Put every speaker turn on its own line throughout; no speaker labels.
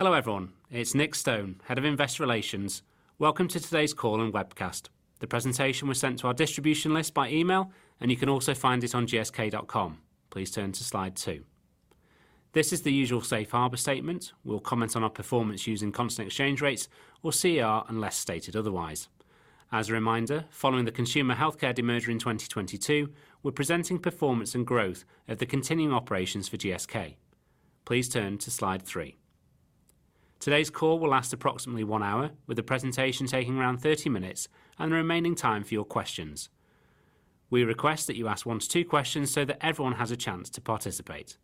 Hello, everyone. It's Nick Stone, Head of Investor Relations. Welcome to today's call and webcast. The presentation was sent to our distribution list by email, and you can also find it on gsk.com. Please turn to slide two. This is the usual safe harbor statement. We'll comment on our performance using constant exchange rates or CER, unless stated otherwise. As a reminder, following the Consumer Healthcare demerger in 2022, we're presenting performance and growth of the continuing operations for GSK. Please turn to slide three. Today's call will last approximately one hour, with the presentation taking around 30 minutes and the remaining time for your questions. We request that you ask one to two questions so that everyone has a chance to participate.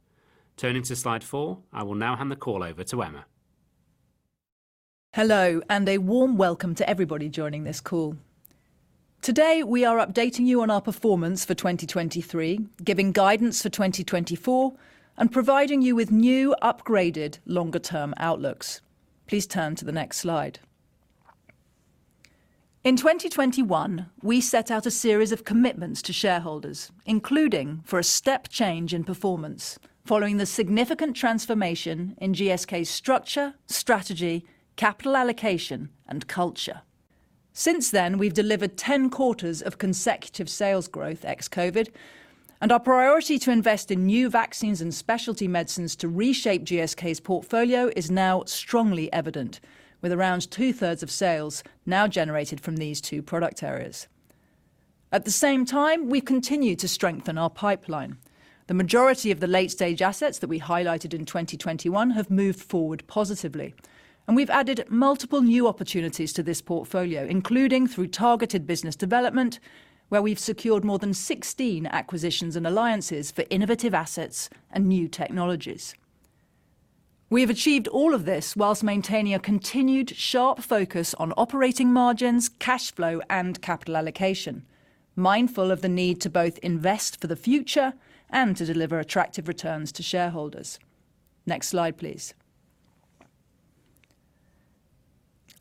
Turning to slide four, I will now hand the call over to Emma.
Hello, and a warm welcome to everybody joining this call. Today, we are updating you on our performance for 2023, giving guidance for 2024, and providing you with new, upgraded, longer-term outlooks. Please turn to the next slide. In 2021, we set out a series of commitments to shareholders, including for a step change in performance, following the significant transformation in GSK's structure, strategy, capital allocation, and culture. Since then, we've delivered 10 quarters of consecutive sales growth ex-COVID, and our priority to invest in new vaccines and specialty medicines to reshape GSK's portfolio is now strongly evident, with around 2/3 of sales now generated from these two product areas. At the same time, we've continued to strengthen our pipeline. The majority of the late-stage assets that we highlighted in 2021 have moved forward positively, and we've added multiple new opportunities to this portfolio, including through targeted business development, where we've secured more than 16 acquisitions and alliances for innovative assets and new technologies. We have achieved all of this while maintaining a continued sharp focus on operating margins, cash flow, and capital allocation, mindful of the need to both invest for the future and to deliver attractive returns to shareholders. Next slide, please.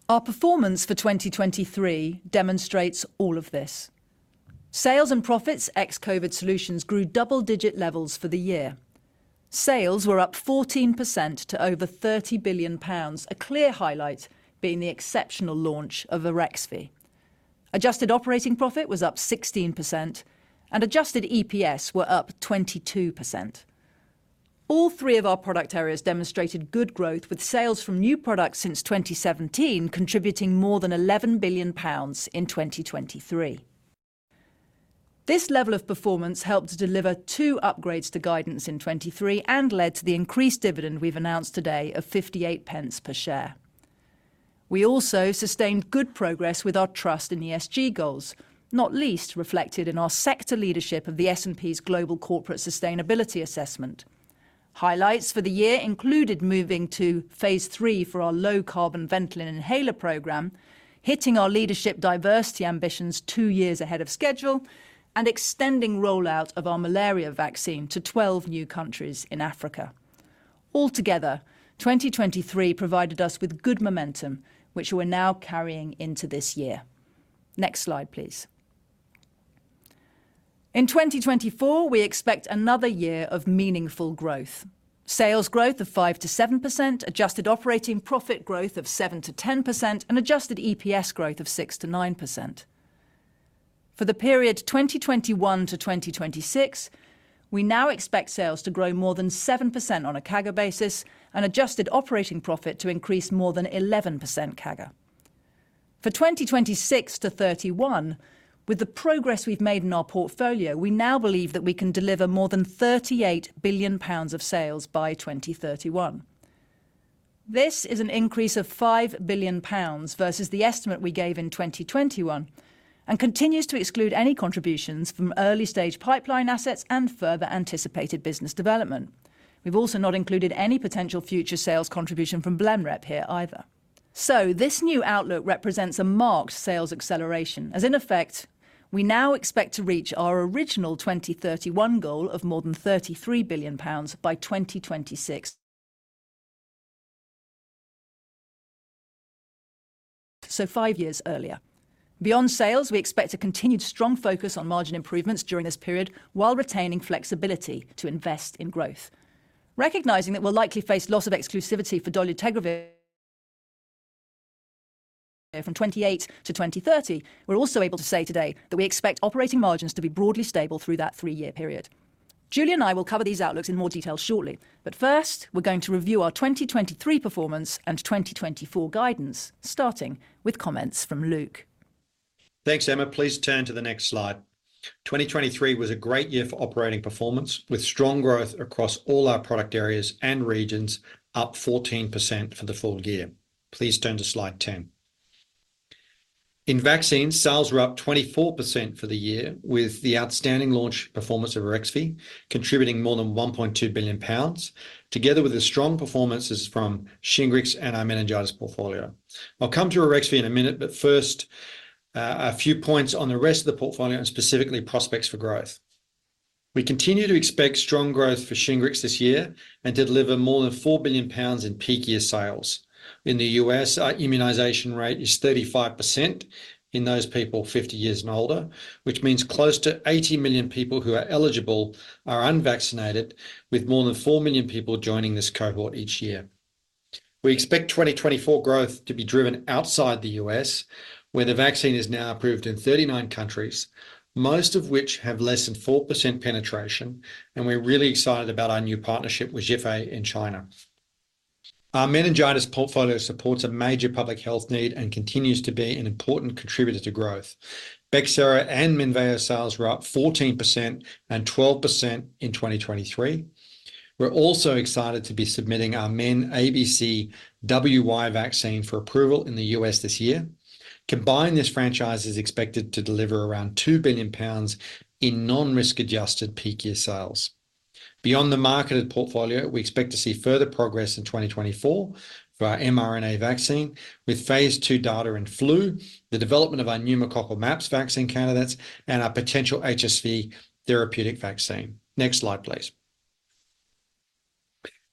Our performance for 2023 demonstrates all of this. Sales and profits ex-COVID solutions grew double-digit levels for the year. Sales were up 14% to over 30 billion pounds, a clear highlight being the exceptional launch of Arexvy. Adjusted operating profit was up 16% and adjusted EPS were up 22%. All three of our product areas demonstrated good growth, with sales from new products since 2017 contributing more than 11 billion pounds in 2023. This level of performance helped to deliver two upgrades to guidance in 2023 and led to the increased dividend we've announced today of 0.58 per share. We also sustained good progress with our trust and ESG goals, not least reflected in our sector leadership of the S&P's Global Corporate Sustainability Assessment. Highlights for the year included moving to phase III for our low-carbon Ventolin inhaler program, hitting our leadership diversity ambitions two years ahead of schedule, and extending rollout of our malaria vaccine to 12 new countries in Africa. Altogether, 2023 provided us with good momentum, which we're now carrying into this year. Next slide, please. In 2024, we expect another year of meaningful growth. Sales growth of 5%-7%, adjusted operating profit growth of 7%-10%, and adjusted EPS growth of 6%-9%. For the period 2021 to 2026, we now expect sales to grow more than 7% on a CAGR basis and adjusted operating profit to increase more than 11% CAGR. For 2026 to 2031, with the progress we've made in our portfolio, we now believe that we can deliver more than 38 billion pounds of sales by 2031. This is an increase of 5 billion pounds versus the estimate we gave in 2021 and continues to exclude any contributions from early-stage pipeline assets and further anticipated business development. We've also not included any potential future sales contribution from Blenrep here either. So this new outlook represents a marked sales acceleration, as in effect, we now expect to reach our original 2031 goal of more than 33 billion pounds by 2026, so five years earlier. Beyond sales, we expect a continued strong focus on margin improvements during this period while retaining flexibility to invest in growth. Recognizing that we'll likely face loss of exclusivity for dolutegravir from 2028 to 2030, we're also able to say today that we expect operating margins to be broadly stable through that three-year period. Julie and I will cover these outlooks in more detail shortly, but first, we're going to review our 2023 performance and 2024 guidance, starting with comments from Luke.
Thanks, Emma. Please turn to the next slide. 2023 was a great year for operating performance with strong growth across all our product areas and regions up 14% for the full year. Please turn to slide 10. In vaccines, sales were up 24% for the year, with the outstanding launch performance of Arexvy contributing more than 1.2 billion pounds, together with the strong performances from Shingrix and our meningitis portfolio. I'll come to Arexvy in a minute, but first, a few points on the rest of the portfolio and specifically prospects for growth. We continue to expect strong growth for Shingrix this year and deliver more than 4 billion pounds in peak year sales. In the U.S., our immunization rate is 35% in those people 50 years and older, which means close to 80 million people who are eligible are unvaccinated, with more than 4 million people joining this cohort each year. We expect 2024 growth to be driven outside the U.S., where the vaccine is now approved in 39 countries, most of which have less than 4% penetration, and we're really excited about our new partnership with Zhifei in China. Our meningitis portfolio supports a major public health need and continues to be an important contributor to growth. BEXSERO and MENVEO sales were up 14% and 12% in 2023. We're also excited to be submitting our MenABCWY vaccine for approval in the U.S. this year. Combined, this franchise is expected to deliver around 2 billion pounds in non-risk adjusted peak year sales. Beyond the marketed portfolio, we expect to see further progress in 2024 for our mRNA vaccine, with phase II data in flu, the development of our pneumococcal MAPS vaccine candidates, and our potential HSV therapeutic vaccine. Next slide, please.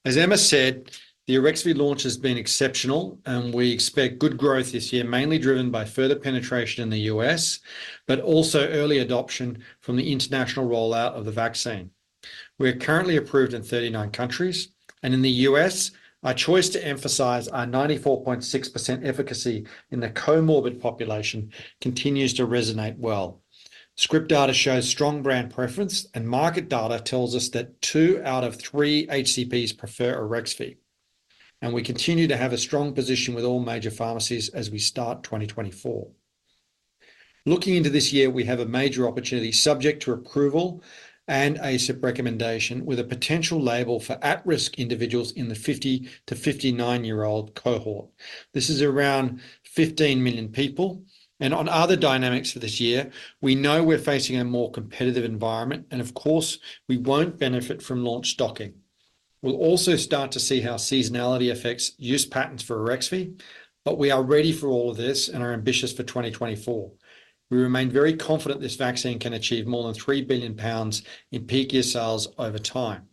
As Emma said, the Arexvy launch has been exceptional, and we expect good growth this year, mainly driven by further penetration in the U.S., but also early adoption from the international rollout of the vaccine. We are currently approved in 39 countries, and in the U.S., our choice to emphasize our 94.6% efficacy in the comorbid population continues to resonate well. Script data shows strong brand preference, and market data tells us that two out of three HCPs prefer Arexvy, and we continue to have a strong position with all major pharmacies as we start 2024. Looking into this year, we have a major opportunity subject to approval and ACIP recommendation, with a potential label for at-risk individuals in the 50- to 59-year-old cohort. This is around 15 million people, and on other dynamics for this year, we know we're facing a more competitive environment, and of course, we won't benefit from launch stocking. We'll also start to see how seasonality affects use patterns for Arexvy, but we are ready for all of this and are ambitious for 2024. We remain very confident this vaccine can achieve more than 3 billion pounds in peak year sales over time.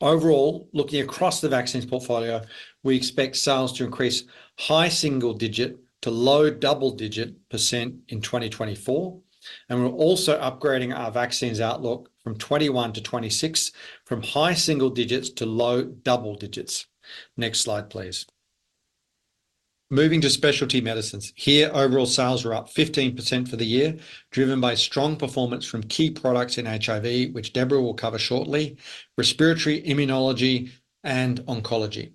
Overall, looking across the vaccines portfolio, we expect sales to increase high single-digit to low double-digit percent in 2024, and we're also upgrading our vaccines outlook from 2021 to 2026, from high single digits to low double digits. Next slide, please. Moving to Specialty Medicines. Here, overall sales were up 15% for the year, driven by strong performance from key products in HIV, which Deborah will cover shortly, respiratory, immunology, and oncology.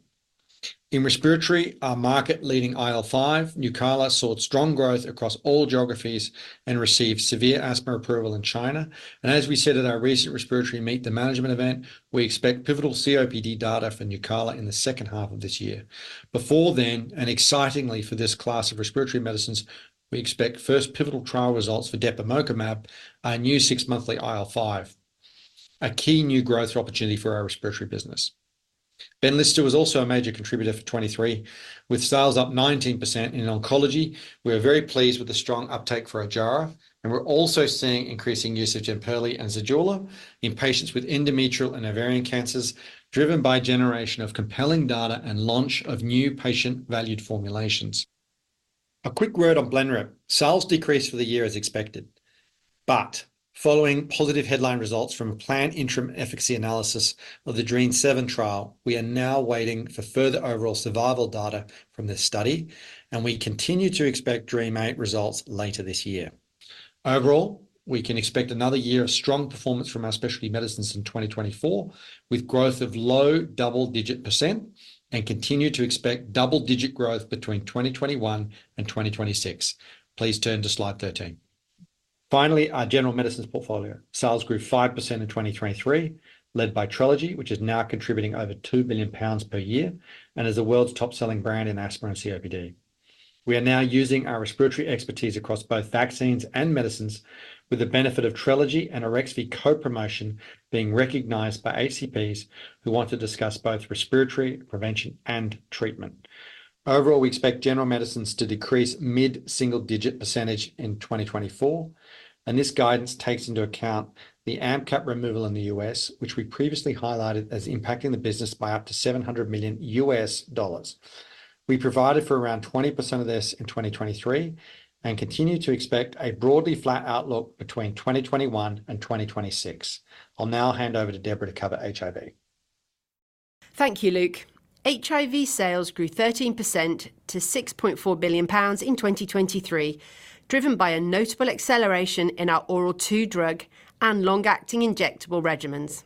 In respiratory, our market-leading IL-5, Nucala, saw strong growth across all geographies and received severe asthma approval in China. And as we said at our recent Respiratory Meet the Management event, we expect pivotal COPD data for Nucala in the second half of this year. Before then, and excitingly for this class of respiratory medicines, we expect first pivotal trial results for depemokimab, our new six-monthly IL-5, a key new growth opportunity for our respiratory business. Blenrep was also a major contributor for 2023, with sales up 19% in oncology. We are very pleased with the strong uptake for Ojjaara, and we're also seeing increasing usage in Jemperli and Zejula in patients with endometrial and ovarian cancers, driven by generation of compelling data and launch of new patient-valued formulations. A quick word on Blenrep. Sales decreased for the year as expected, but following positive headline results from a planned interim efficacy analysis of the DREAMM-7 trial, we are now waiting for further overall survival data from this study, and we continue to expect DREAMM-8 results later this year. Overall, we can expect another year of strong performance from our specialty medicines in 2024, with growth of low double-digit percent, and continue to expect double-digit growth between 2021 and 2026. Please turn to slide 13. Finally, our General Medicines portfolio. Sales grew 5% in 2023, led by TRELEGY, which is now contributing over 2 billion pounds per year and is the world's top-selling brand in asthma and COPD. We are now using our respiratory expertise across both vaccines and medicines, with the benefit of TRELEGY and Arexvy co-promotion being recognized by HCPs who want to discuss both respiratory prevention and treatment. Overall, we expect general medicines to decrease mid-single-digit percentage in 2024, and this guidance takes into account the AMP cap removal in the U.S., which we previously highlighted as impacting the business by up to $700 million. We provided for around 20% of this in 2023 and continue to expect a broadly flat outlook between 2021 and 2026. I'll now hand over to Deborah to cover HIV.
Thank you, Luke. HIV sales grew 13% to 6.4 billion pounds in 2023, driven by a notable acceleration in our oral two drug and long-acting injectable regimens.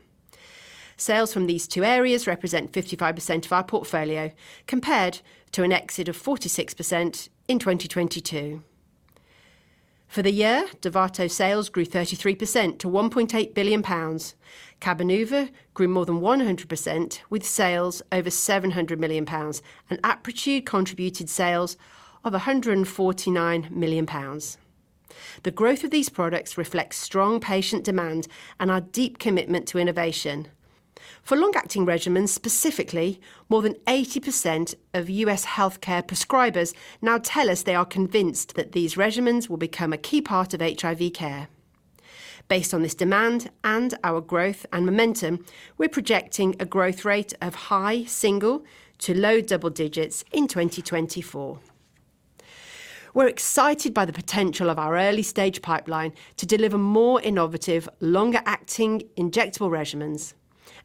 Sales from these two areas represent 55% of our portfolio, compared to an exit of 46% in 2022. For the year, Dovato sales grew 33% to 1.8 billion pounds. Cabenuva grew more than 100%, with sales over 700 million pounds, and Apretude contributed sales of 149 million pounds. The growth of these products reflects strong patient demand and our deep commitment to innovation. For long-acting regimens, specifically, more than 80% of US healthcare prescribers now tell us they are convinced that these regimens will become a key part of HIV care. Based on this demand and our growth and momentum, we're projecting a growth rate of high-single to low-double digits in 2024. We're excited by the potential of our early-stage pipeline to deliver more innovative, longer-acting injectable regimens.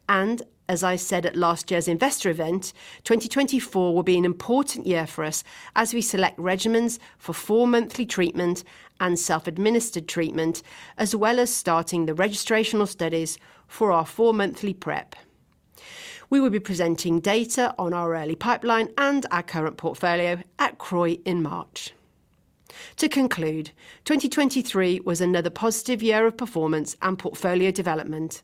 And as I said at last year's investor event, 2024 will be an important year for us as we select regimens for four-monthly treatment and self-administered treatment, as well as starting the registrational studies for our four-monthly PrEP. We will be presenting data on our early pipeline and our current portfolio at CROI in March. To conclude, 2023 was another positive year of performance and portfolio development.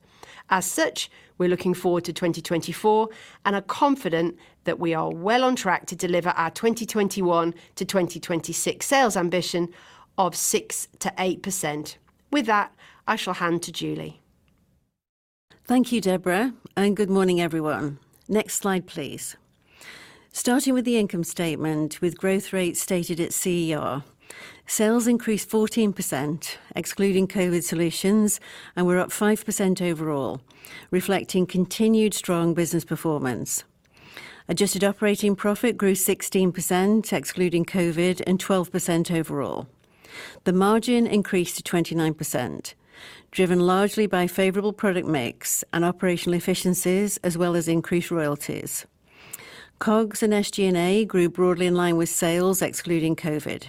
As such, we're looking forward to 2024 and are confident that we are well on track to deliver our 2021 to 2026 sales ambition of 6%-8%. With that, I shall hand to Julie.
Thank you, Deborah, and good morning, everyone. Next slide, please. Starting with the income statement, with growth rates stated at CER. Sales increased 14%, excluding COVID solutions, and were up 5% overall, reflecting continued strong business performance. Adjusted operating profit grew 16%, excluding COVID, and 12% overall. The margin increased to 29%, driven largely by favorable product mix and operational efficiencies as well as increased royalties. COGS and SG&A grew broadly in line with sales, excluding COVID.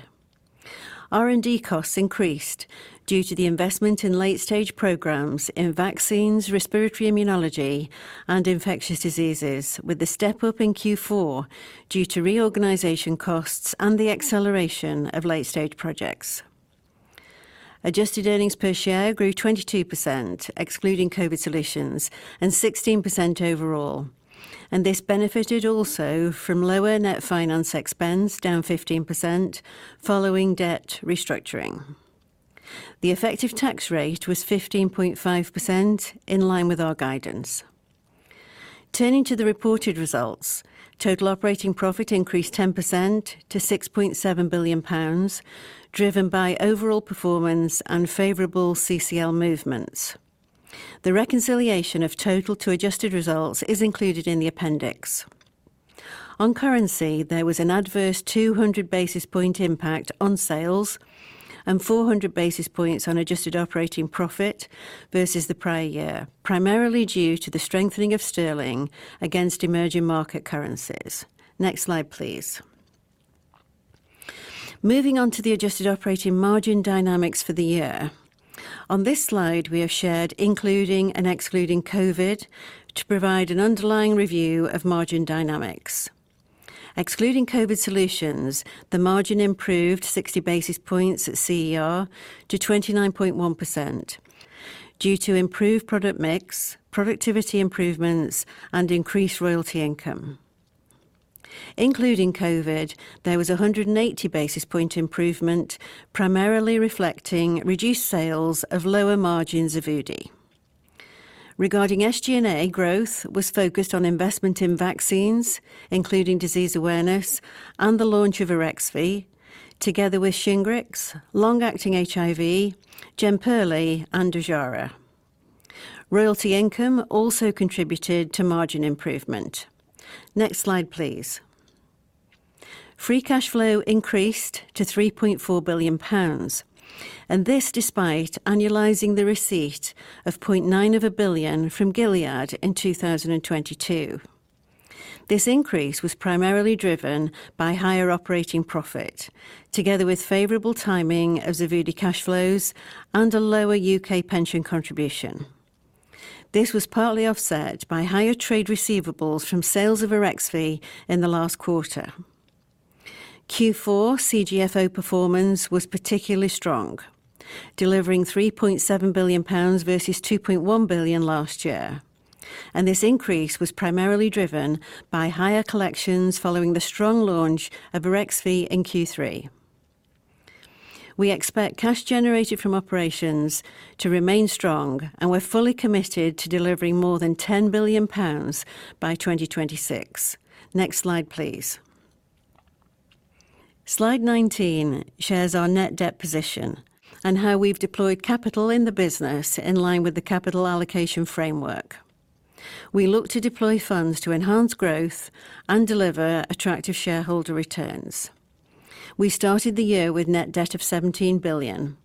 R&D costs increased due to the investment in late-stage programs in vaccines, respiratory immunology, and infectious diseases, with the step-up in Q4 due to reorganization costs and the acceleration of late-stage projects. Adjusted earnings per share grew 22%, excluding COVID solutions, and 16% overall, and this benefited also from lower net finance expense, down 15% following debt restructuring. The effective tax rate was 15.5%, in line with our guidance. Turning to the reported results, total operating profit increased 10% to 6.7 billion pounds, driven by overall performance and favorable CCL movements. The reconciliation of total to adjusted results is included in the Appendix. On currency, there was an adverse 200 basis point impact on sales and 400 basis points on adjusted operating profit versus the prior year, primarily due to the strengthening of sterling against emerging market currencies. Next slide, please. Moving on to the adjusted operating margin dynamics for the year. On this slide, we have shared, including and excluding COVID, to provide an underlying review of margin dynamics. Excluding COVID solutions, the margin improved 60 basis points at CER to 29.1% due to improved product mix, productivity improvements, and increased royalty income. Including COVID, there was a 180 basis point improvement, primarily reflecting reduced sales of lower margins of Xevudy. Regarding SG&A, growth was focused on investment in vaccines, including disease awareness and the launch of Arexvy, together with Shingrix, long-acting HIV, Jemperli, and Ojjaara. Royalty income also contributed to margin improvement. Next slide, please. Free cash flow increased to 3.4 billion pounds, and this despite annualizing the receipt of 0.9 billion from Gilead in 2022. This increase was primarily driven by higher operating profit, together with favorable timing of Xevudy cash flows and a lower U.K. pension contribution. This was partly offset by higher trade receivables from sales of Arexvy in the last quarter. Q4 CGFO performance was particularly strong, delivering 3.7 billion pounds versus 2.1 billion last year, and this increase was primarily driven by higher collections following the strong launch of Arexvy in Q3. We expect cash generated from operations to remain strong, and we're fully committed to delivering more than 10 billion pounds by 2026. Next slide, please. Slide 19 shares our net debt position and how we've deployed capital in the business in line with the capital allocation framework. We look to deploy funds to enhance growth and deliver attractive shareholder returns. We started the year with net debt of 17 billion,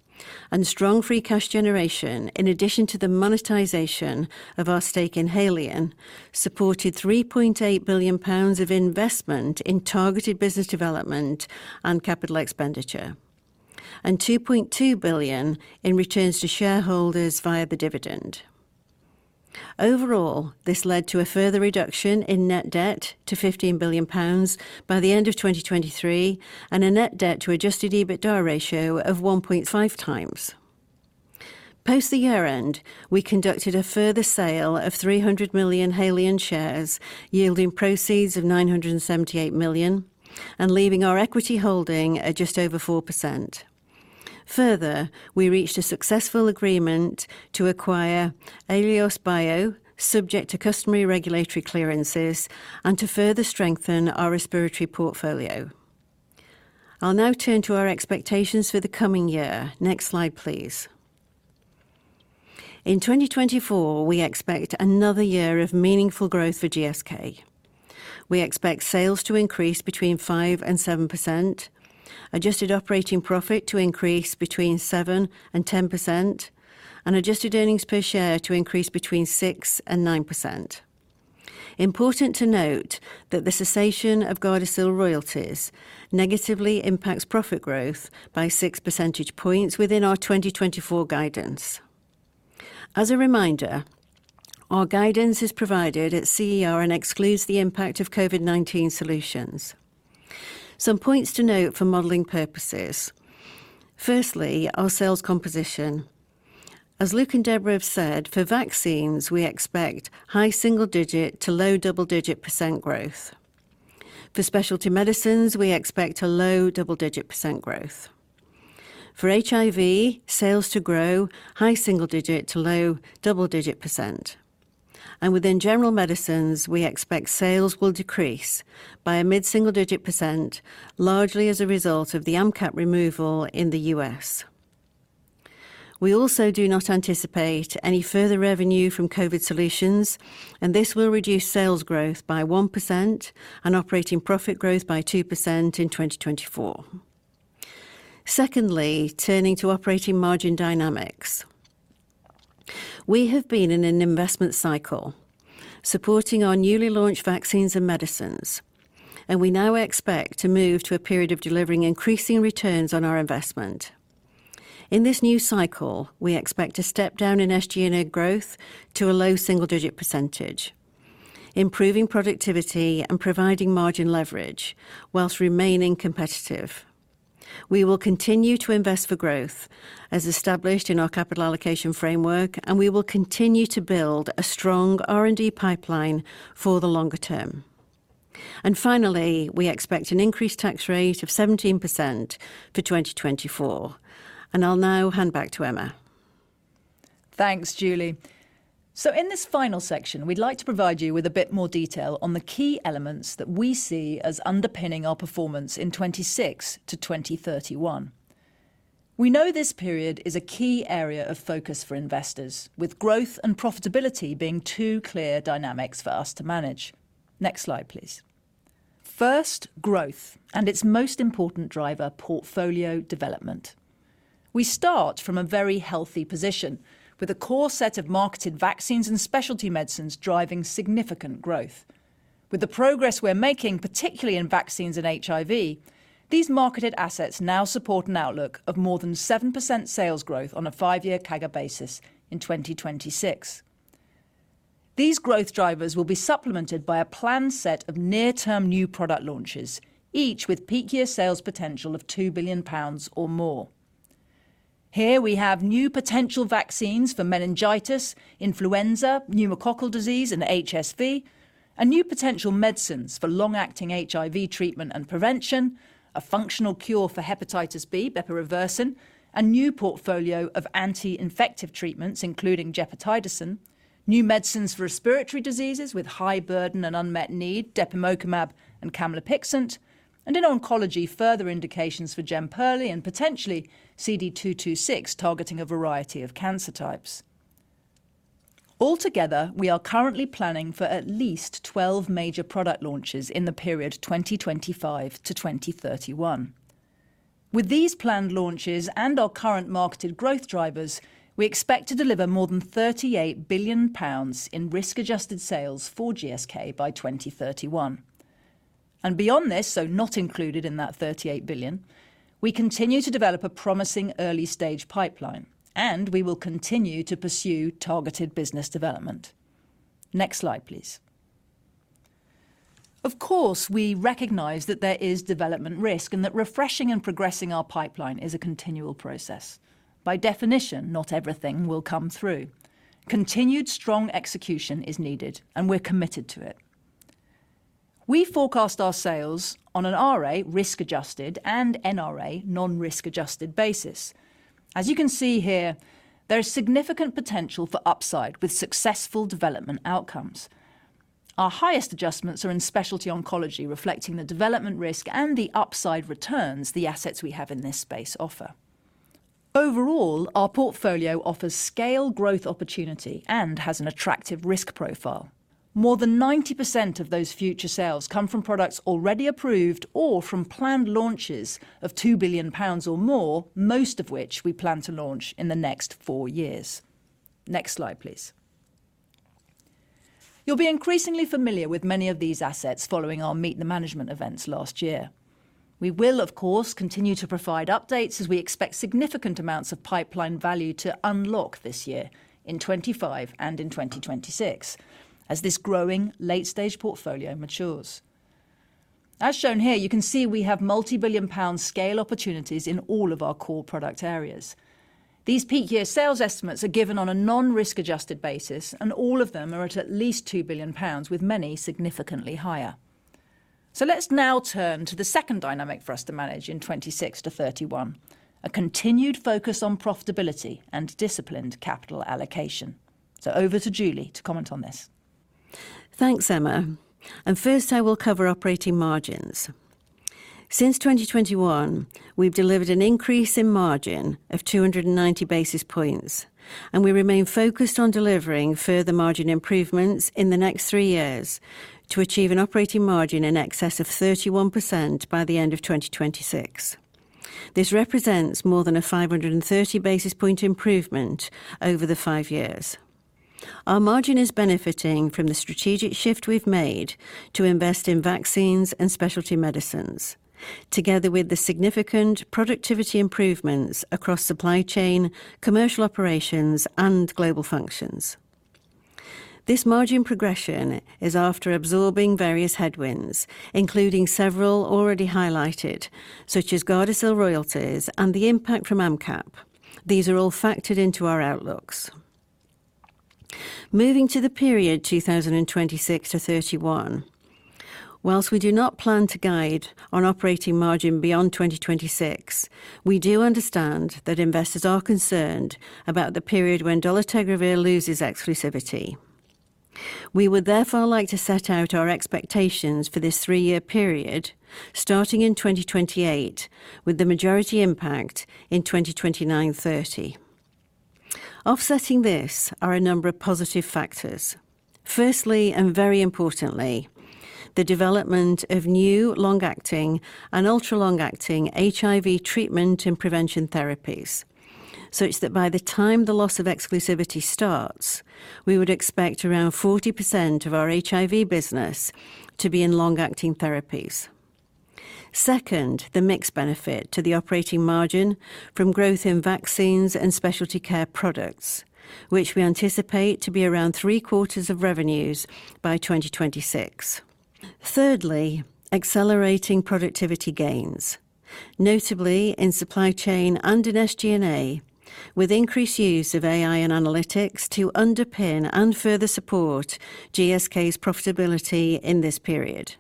and strong free cash generation, in addition to the monetization of our stake in Haleon, supported 3.8 billion pounds of investment in targeted business development and capital expenditure, and 2.2 billion in returns to shareholders via the dividend. Overall, this led to a further reduction in net debt to 15 billion pounds by the end of 2023, and a net debt to adjusted EBITDA ratio of 1.5x. Post the year-end, we conducted a further sale of 300 million Haleon shares, yielding proceeds of 978 million and leaving our equity holding at just over 4%. Further, we reached a successful agreement to acquire Aiolos Bio, subject to customary regulatory clearances, and to further strengthen our respiratory portfolio. I'll now turn to our expectations for the coming year. Next slide, please. In 2024, we expect another year of meaningful growth for GSK. We expect sales to increase between 5% and 7%, adjusted operating profit to increase between 7% and 10%, and adjusted earnings per share to increase between 6% and 9%. Important to note that the cessation of Gardasil royalties negatively impacts profit growth by 6 percentage points within our 2024 guidance. As a reminder, our guidance is provided at CER and excludes the impact of COVID-19 solutions. Some points to note for modeling purposes. Firstly, our sales composition. As Luke and Deborah have said, for vaccines, we expect high single-digit to low double-digit percent growth. For specialty medicines, we expect a low double-digit percent growth. For HIV, sales to grow high single-digit to low double-digit percent. And within general medicines, we expect sales will decrease by a mid-single-digit percent, largely as a result of the AMP cap removal in the U.S. We also do not anticipate any further revenue from COVID solutions, and this will reduce sales growth by 1% and operating profit growth by 2% in 2024. Secondly, turning to operating margin dynamics. We have been in an investment cycle supporting our newly launched vaccines and medicines, and we now expect to move to a period of delivering increasing returns on our investment. In this new cycle, we expect to step down in SG&A growth to a low single-digit percentage, improving productivity and providing margin leverage while remaining competitive. We will continue to invest for growth, as established in our capital allocation framework, and we will continue to build a strong R&D pipeline for the longer term. Finally, we expect an increased tax rate of 17% for 2024. I'll now hand back to Emma.
Thanks, Julie. In this final section, we'd like to provide you with a bit more detail on the key elements that we see as underpinning our performance in 2026 to 2031. We know this period is a key area of focus for investors, with growth and profitability being two clear dynamics for us to manage. Next slide, please. First, growth and its most important driver, portfolio development. We start from a very healthy position, with a core set of marketed vaccines and specialty medicines driving significant growth. With the progress we're making, particularly in vaccines and HIV, these marketed assets now support an outlook of more than 7% sales growth on a five-year CAGR basis in 2026. These growth drivers will be supplemented by a planned set of near-term new product launches, each with peak year sales potential of 2 billion pounds or more. Here we have new potential vaccines for meningitis, influenza, pneumococcal disease, and HSV, and new potential medicines for long-acting HIV treatment and prevention, a functional cure for hepatitis B, bepirovirsen, a new portfolio of anti-infective treatments, including gepotidacin, new medicines for respiratory diseases with high burden and unmet need, depemokimab and camlipixant, and in oncology, further indications for Jemperli and potentially CD226, targeting a variety of cancer types. Altogether, we are currently planning for at least 12 major product launches in the period 2025 to 2031. With these planned launches and our current marketed growth drivers, we expect to deliver more than 38 billion pounds in risk-adjusted sales for GSK by 2031. And beyond this, so not included in that 38 billion, we continue to develop a promising early-stage pipeline, and we will continue to pursue targeted business development. Next slide, please. Of course, we recognize that there is development risk and that refreshing and progressing our pipeline is a continual process. By definition, not everything will come through. Continued strong execution is needed, and we're committed to it. We forecast our sales on an RA, risk-adjusted, and NRA, non-risk-adjusted basis. As you can see here, there is significant potential for upside with successful development outcomes. Our highest adjustments are in specialty oncology, reflecting the development risk and the upside returns the assets we have in this space offer. Overall, our portfolio offers scale growth opportunity and has an attractive risk profile. More than 90% of those future sales come from products already approved or from planned launches of 2 billion pounds or more, most of which we plan to launch in the next four years. Next slide, please. You'll be increasingly familiar with many of these assets following our Meet the Management events last year. We will, of course, continue to provide updates as we expect significant amounts of pipeline value to unlock this year, in 2025 and in 2026, as this growing late-stage portfolio matures. As shown here, you can see we have multi-billion pounds scale opportunities in all of our core product areas. These peak year sales estimates are given on a non-risk-adjusted basis, and all of them are at least 2 billio, with many significantly higher. So let's now turn to the second dynamic for us to manage in 2026 to 2031, a continued focus on profitability and disciplined capital allocation. So over to Julie to comment on this.
Thanks, Emma. First, I will cover operating margins. Since 2021, we've delivered an increase in margin of 290 basis points, and we remain focused on delivering further margin improvements in the next three years to achieve an operating margin in excess of 31% by the end of 2026. This represents more than a 530 basis point improvement over the five years. Our margin is benefiting from the strategic shift we've made to invest in vaccines and specialty medicines, together with the significant productivity improvements across supply chain, commercial operations, and global functions. This margin progression is after absorbing various headwinds, including several already highlighted, such as Gardasil royalties and the impact from AMP cap. These are all factored into our outlooks. Moving to the period 2026 to 2031. While we do not plan to guide on operating margin beyond 2026, we do understand that investors are concerned about the period when dolutegravir loses exclusivity. We would therefore like to set out our expectations for this three-year period, starting in 2028, with the majority impact in 2029, 2030. Offsetting this are a number of positive factors. First, and very importantly, the development of new long-acting and ultra-long-acting HIV treatment and prevention therapies, such that by the time the loss of exclusivity starts, we would expect around 40% of our HIV business to be in long-acting therapies. Second, the mixed benefit to the operating margin from growth in vaccines and specialty care products, which we anticipate to be around 3/4 of revenues by 2026. Thirdly, accelerating productivity gains, notably in supply chain and in SG&A, with increased use of AI and analytics to underpin and further support GSK's profitability in this period.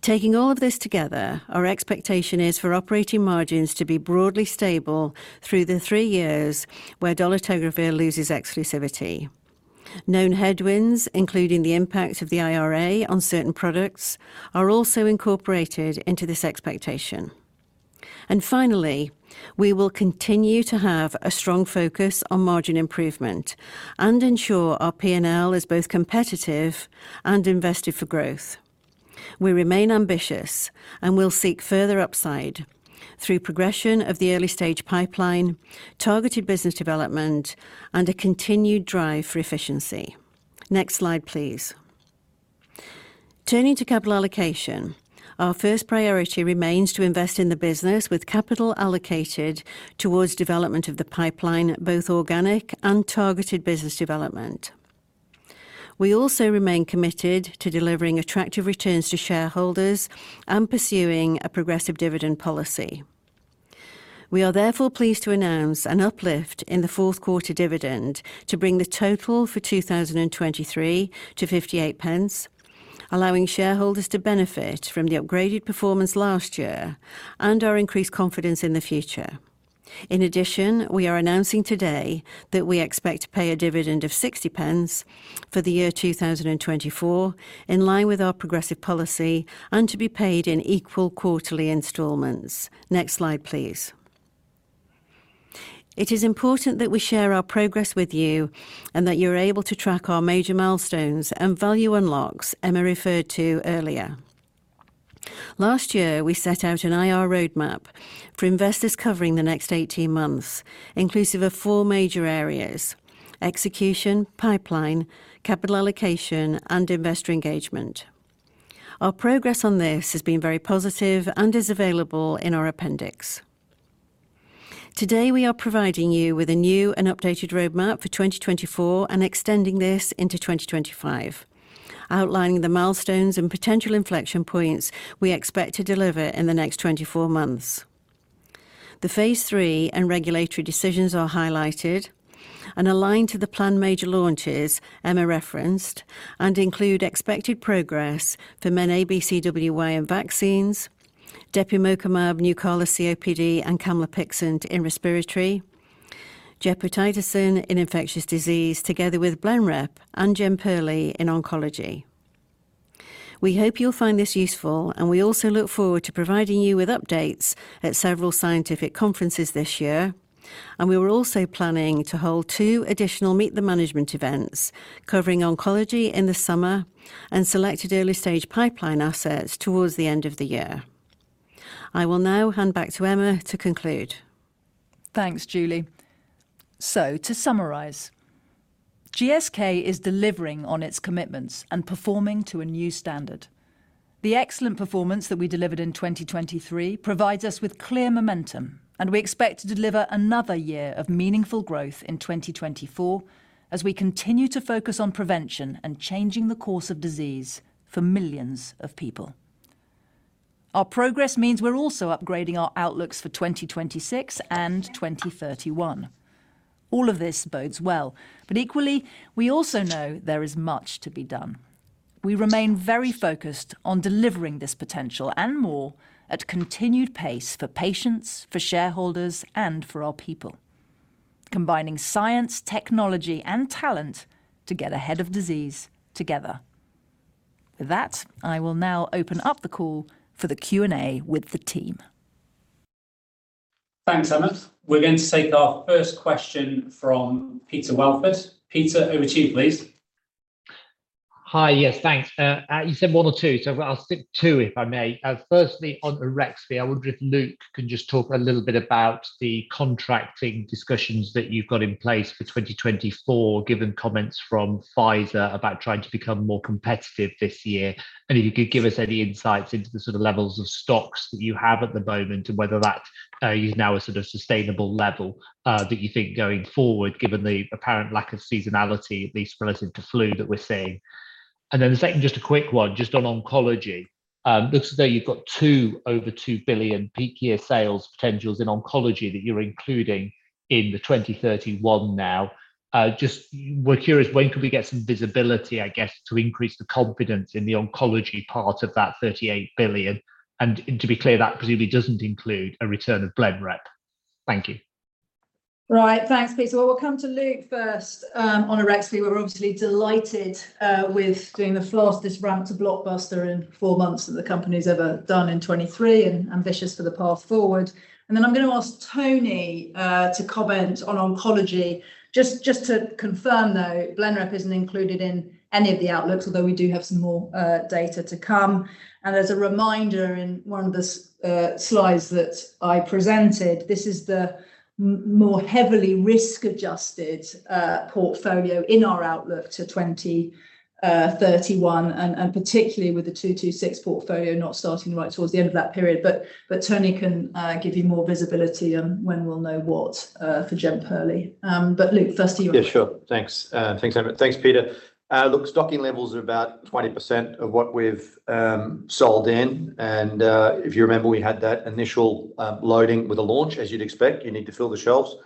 Taking all of this together, our expectation is for operating margins to be broadly stable through the three years where dolutegravir loses exclusivity. Known headwinds, including the impact of the IRA on certain products, are also incorporated into this expectation. And finally, we will continue to have a strong focus on margin improvement and ensure our P&L is both competitive and invested for growth. We remain ambitious and will seek further upside through progression of the early-stage pipeline, targeted business development, and a continued drive for efficiency. Next slide, please. Turning to capital allocation. Our first priority remains to invest in the business with capital allocated towards development of the pipeline, both organic and targeted business development. We also remain committed to delivering attractive returns to shareholders and pursuing a progressive dividend policy. We are therefore pleased to announce an uplift in the fourth quarter dividend to bring the total for 2023 to 0.58, allowing shareholders to benefit from the upgraded performance last year and our increased confidence in the future. In addition, we are announcing today that we expect to pay a dividend of 0.60 for the year 2024, in line with our progressive policy and to be paid in equal quarterly installments. Next slide, please. It is important that we share our progress with you and that you're able to track our major milestones and value unlocks Emma referred to earlier. Last year, we set out an IR roadmap for investors covering the next 18 months, inclusive of four major areas: execution, pipeline, capital allocation, and investor engagement. Our progress on this has been very positive and is available in our Appendix. Today, we are providing you with a new and updated roadmap for 2024 and extending this into 2025, outlining the milestones and potential inflection points we expect to deliver in the next 24 months. The phase III and regulatory decisions are highlighted and aligned to the planned major launches Emma referenced, and include expected progress for MenABCWY in vaccines, depemokimab, Nucala, COPD, and camlipixant in respiratory, gepotidacin in infectious disease, together with Blenrep and Jemperli in oncology. We hope you'll find this useful, and we also look forward to providing you with updates at several scientific conferences this year, and we were also planning to hold two additional Meet the Management events covering oncology in the summer and selected early-stage pipeline assets towards the end of the year. I will now hand back to Emma to conclude.
Thanks, Julie. To summarize, GSK is delivering on its commitments and performing to a new standard. The excellent performance that we delivered in 2023 provides us with clear momentum, and we expect to deliver another year of meaningful growth in 2024 as we continue to focus on prevention and changing the course of disease for millions of people. Our progress means we're also upgrading our outlooks for 2026 and 2031. All of this bodes well, but equally, we also know there is much to be done. We remain very focused on delivering this potential and more at continued pace for patients, for shareholders, and for our people, combining science, technology, and talent to get ahead of disease together. With that, I will now open up the call for the Q&A with the team.
Thanks, Emma. We're going to take our first question from Peter Welford. Peter, over to you, please.
Hi. Yes, thanks. You said one or two, so I'll stick to two if I may. Firstly, on Arexvy, I wonder if Luke can just talk a little bit about the contracting discussions that you've got in place for 2024, given comments from Pfizer about trying to become more competitive this year. And if you could give us any insights into the sort of levels of stocks that you have at the moment, and whether that is now a sort of sustainable level that you think going forward, given the apparent lack of seasonality, at least relative to flu, that we're seeing. And then the second, just a quick one, just on oncology. Looks as though you've got two over 2 billion peak year sales potentials in oncology that you're including in the 2031 now. Just, we're curious, when can we get some visibility, I guess, to increase the confidence in the oncology part of that 38 billion? And to be clear, that presumably doesn't include a return of Blenrep. Thank you.
Right. Thanks, Peter. Well, we'll come to Luke first. On Arexvy, we're obviously delighted with doing the fastest ramp to blockbuster in four months that the company's ever done in 2023, and ambitious for the path forward. Then I'm gonna ask Tony to comment on oncology. Just to confirm, though, Blenrep isn't included in any of the outlooks, although we do have some more data to come. As a reminder, in one of the slides that I presented, this is the more heavily risk-adjusted portfolio in our outlook to 2031, and particularly with the 226 portfolio not starting right towards the end of that period. But Tony can give you more visibility on when we'll know what for Jemperli. But Luke, first to you.
Yeah, sure. Thanks. Thanks, Emma. Thanks, Peter. Look, stocking levels are about 20% of what we've sold in, and if you remember, we had that initial loading with a launch. As you'd expect, you need to fill the shelves.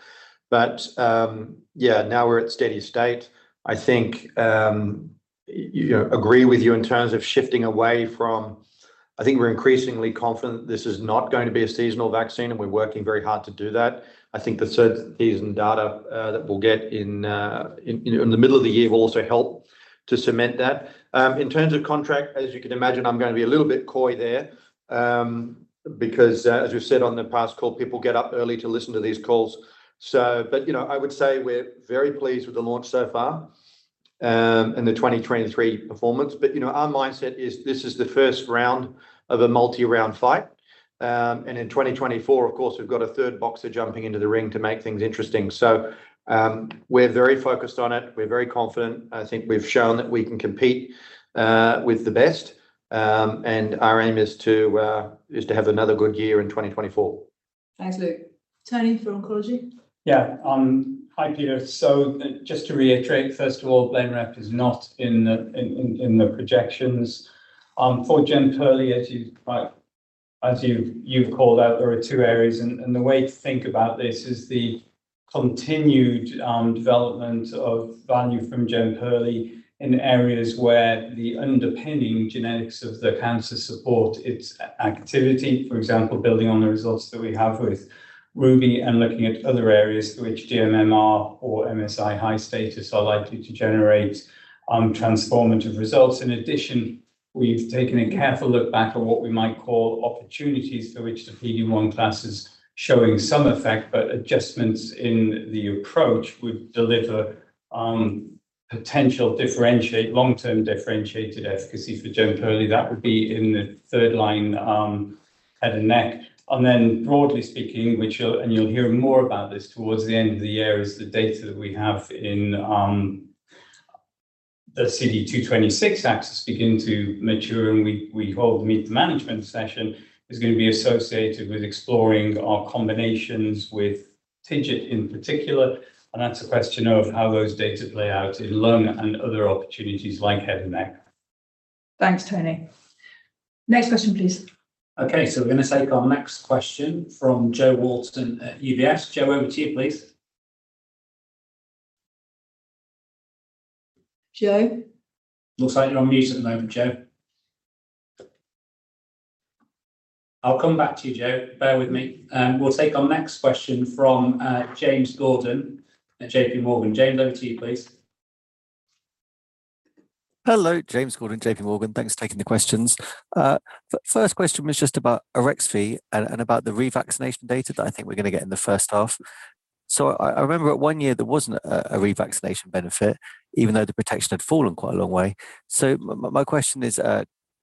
But now we're at steady state. I think you know, agree with you in terms of shifting away from, I think we're increasingly confident this is not going to be a seasonal vaccine, and we're working very hard to do that. I think the certainties and data that we'll get in, you know, the middle of the year will also help to cement that. In terms of contract, as you can imagine, I'm gonna be a little bit coy there, because, as we've said on the past call, people get up early to listen to these calls. But, you know, I would say we're very pleased with the launch so far, and the 2023 performance. But, you know, our mindset is this is the first round of a multi-round fight, and in 2024, of course, we've got a third boxer jumping into the ring to make things interesting. So, we're very focused on it. We're very confident. I think we've shown that we can compete with the best, and our aim is to have another good year in 2024.
Thanks, Luke. Tony, for oncology?
Yeah, hi, Peter. So just to reiterate, first of all, Blenrep is not in the projections. For Jemperli, as you've called out, there are two areas, and the way to think about this is the continued development of value from Jemperli in areas where the underpinning genetics of the cancer support its activity. For example, building on the results that we have with RUBY and looking at other areas to which dMMR or MSI-High status are likely to generate transformative results. In addition, we've taken a careful look back on what we might call opportunities for which the PD-1 class is showing some effect, but adjustments in the approach would deliver potential long-term differentiated efficacy for Jemperli. That would be in the third line, head and neck. And then broadly speaking, which you'll, and you'll hear more about this towards the end of the year, is the data that we have in the CD226 axis begin to mature, and we, we'll hold the meet-the-management session, is gonna be associated with exploring our combinations with TIGIT in particular, and that's a question of how those data play out in lung and other opportunities like head and neck.
Thanks, Tony. Next question, please.
Okay, so we're going to take our next question from Jo Walton at UBS. Jo, over to you, please.
Jo?
Looks like you're on mute at the moment, Jo. I'll come back to you, Jo. Bear with me. We'll take our next question from James Gordon at JPMorgan. James, over to you, please.
Hello, James Gordon, JPMorgan. Thanks for taking the questions. The first question was just about Arexvy and, and about the revaccination data that I think we're gonna get in the first half. So I remember one year there wasn't a, a revaccination benefit, even though the protection had fallen quite a long way. So my question is,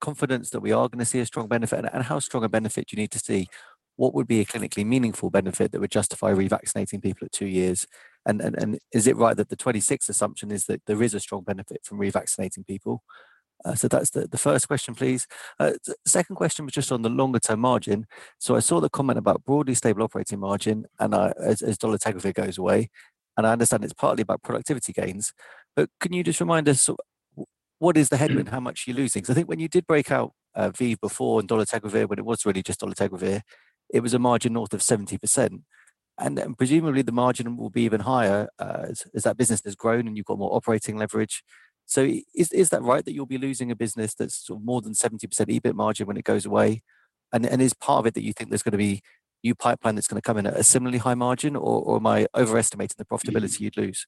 confidence that we are gonna see a strong benefit, and how strong a benefit do you need to see? What would be a clinically meaningful benefit that would justify revaccinating people at two years? And is it right that the 2026 assumption is that there is a strong benefit from revaccinating people? So that's the, the first question, please. The second question was just on the longer-term margin. So I saw the comment about broadly stable operating margin as dolutegravir goes away. I understand it's partly about productivity gains, but can you just remind us, what is the headroom? How much are you losing? 'Cause I think when you did break out ViiV before and dolutegravir, when it was really just dolutegravir, it was a margin north of 70%. And then presumably, the margin will be even higher, as that business has grown and you've got more operating leverage. So is that right, that you'll be losing a business that's more than 70% EBIT margin when it goes away? And is part of it that you think there's gonna be new pipeline that's gonna come in at a similarly high margin, or am I overestimating the profitability you'd lose?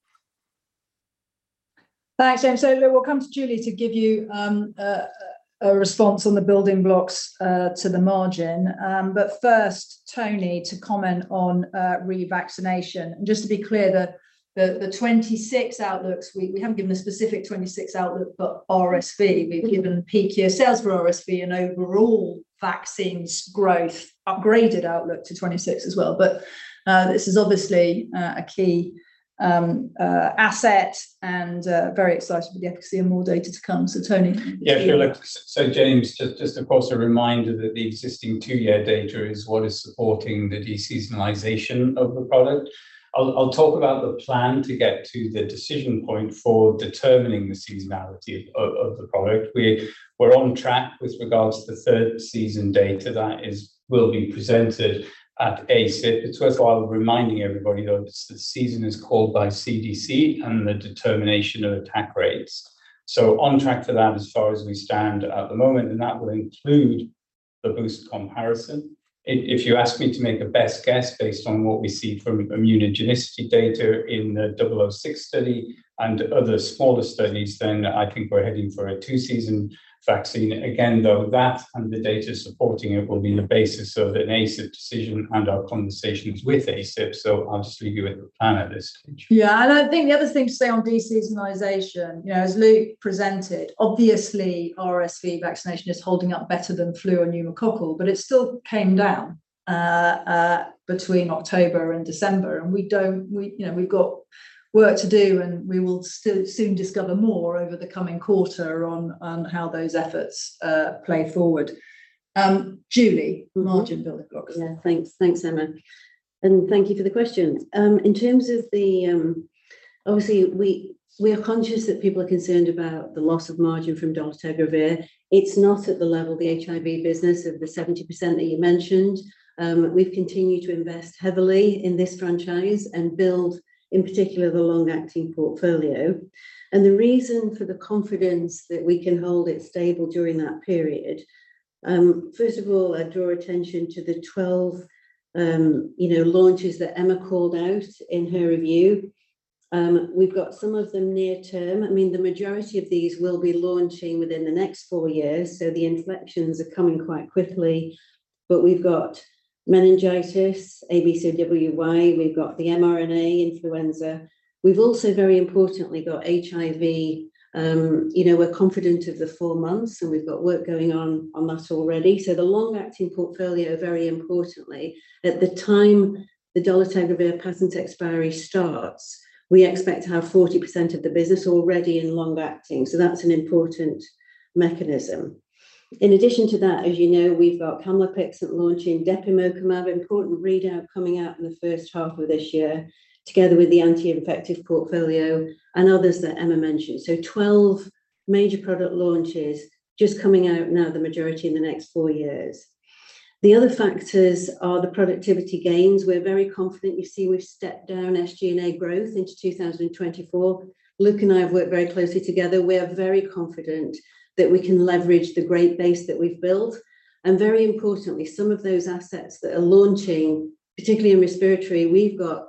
Thanks, James. So, we'll come to Julie to give you a response on the building blocks to the margin. But first, Tony, to comment on revaccination. And just to be clear, the 2026 outlooks, we haven't given a specific 2026 outlook for RSV. We've given peak year sales for RSV and overall vaccines growth, upgraded outlook to 2026 as well. But this is obviously a key asset and very excited for the efficacy and more data to come. So Tony?
Yeah, sure. So James, just of course, a reminder that the existing two-year data is what is supporting the deseasonalization of the product. I'll talk about the plan to get to the decision point for determining the seasonality of the product. We're on track with regards to the third season data that will be presented at ACIP. It's worthwhile reminding everybody, though, the season is called by CDC and the determination of attack rates. So on track for that as far as we stand at the moment, and that will include the boost comparison. If you ask me to make a best guess based on what we see from immunogenicity data in the 006 study and other smaller studies, then I think we're heading for a two-season vaccine. Again, though, that and the data supporting it will be the basis of an ACIP decision and our conversations with ACIP, so I'll just leave you with the plan at this stage.
Yeah, and I think the other thing to say on deseasonalization, you know, as Luke presented, obviously RSV vaccination is holding up better than flu and pneumococcal, but it still came down between October and December, and we don't- we, you know, we've got work to do, and we will still soon discover more over the coming quarter on how those efforts play forward. Julie, margin building blocks.
Yeah. Thanks. Thanks, Emma, and thank you for the question. In terms of, obviously, we are conscious that people are concerned about the loss of margin from dolutegravir. It's not at the level of the HIV business of the 70% that you mentioned. We've continued to invest heavily in this franchise and build, in particular, the long-acting portfolio. And the reason for the confidence that we can hold it stable during that period, first of all, I draw attention to the 12, you know, launches that Emma called out in her review. We've got some of them near term. I mean, the majority of these will be launching within the next four years, so the inflections are coming quite quickly. But we've got meningitis, MenABCWY, we've got the mRNA influenza. We've also, very importantly, got HIV. You know, we're confident of the four months, and we've got work going on on that already. So the long-acting portfolio, very importantly, at the time the dolutegravir patent expiry starts, we expect to have 40% of the business already in long-acting, so that's an important mechanism. In addition to that, as you know, we've got camlipixant launching, depemokimab, important readout coming out in the first half of this year, together with the anti-infective portfolio and others that Emma mentioned. So 12 major product launches just coming out now, the majority in the next four years. The other factors are the productivity gains. We're very confident. You see, we've stepped down SG&A growth into 2024. Luke and I have worked very closely together. We are very confident that we can leverage the great base that we've built. And very importantly, some of those assets that are launching, particularly in respiratory, we've got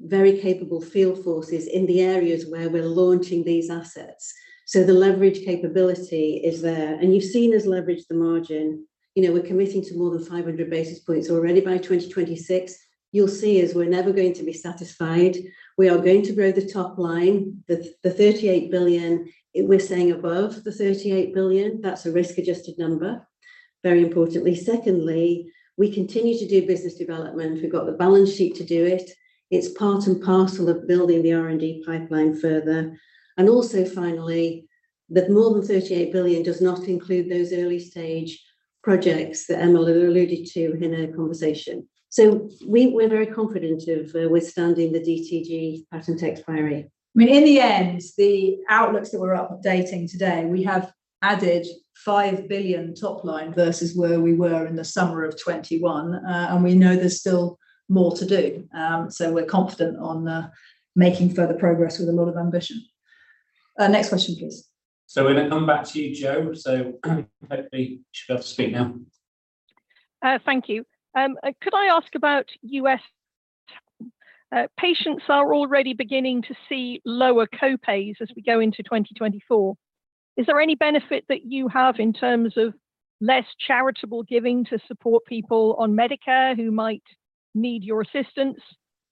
very capable field forces in the areas where we're launching these assets, so the leverage capability is there. And you've seen us leverage the margin. You know, we're committing to more than 500 basis points already by 2026. You'll see, as we're never going to be satisfied. We are going to grow the top line, the, the 38 billion. We're saying above the 38 billion. That's a risk-adjusted number, very importantly. Secondly, we continue to do business development. We've got the balance sheet to do it. It's part and parcel of building the R&D pipeline further. And also, finally, that more than 38 billion does not include those early-stage projects that Emma alluded to in her conversation. So we're very confident of withstanding the DTG patent expiry.
I mean, in the end, the outlooks that we're updating today, we have added 5 billion top line versus where we were in the summer of 2021, and we know there's still more to do. So we're confident on making further progress with a lot of ambition. Next question, please.
We're going to come back to you, Jo. Hopefully you should be able to speak now.
Thank you. Could I ask about U.S.? Patients are already beginning to see lower co-pays as we go into 2024. Is there any benefit that you have in terms of less charitable giving to support people on Medicare who might need your assistance,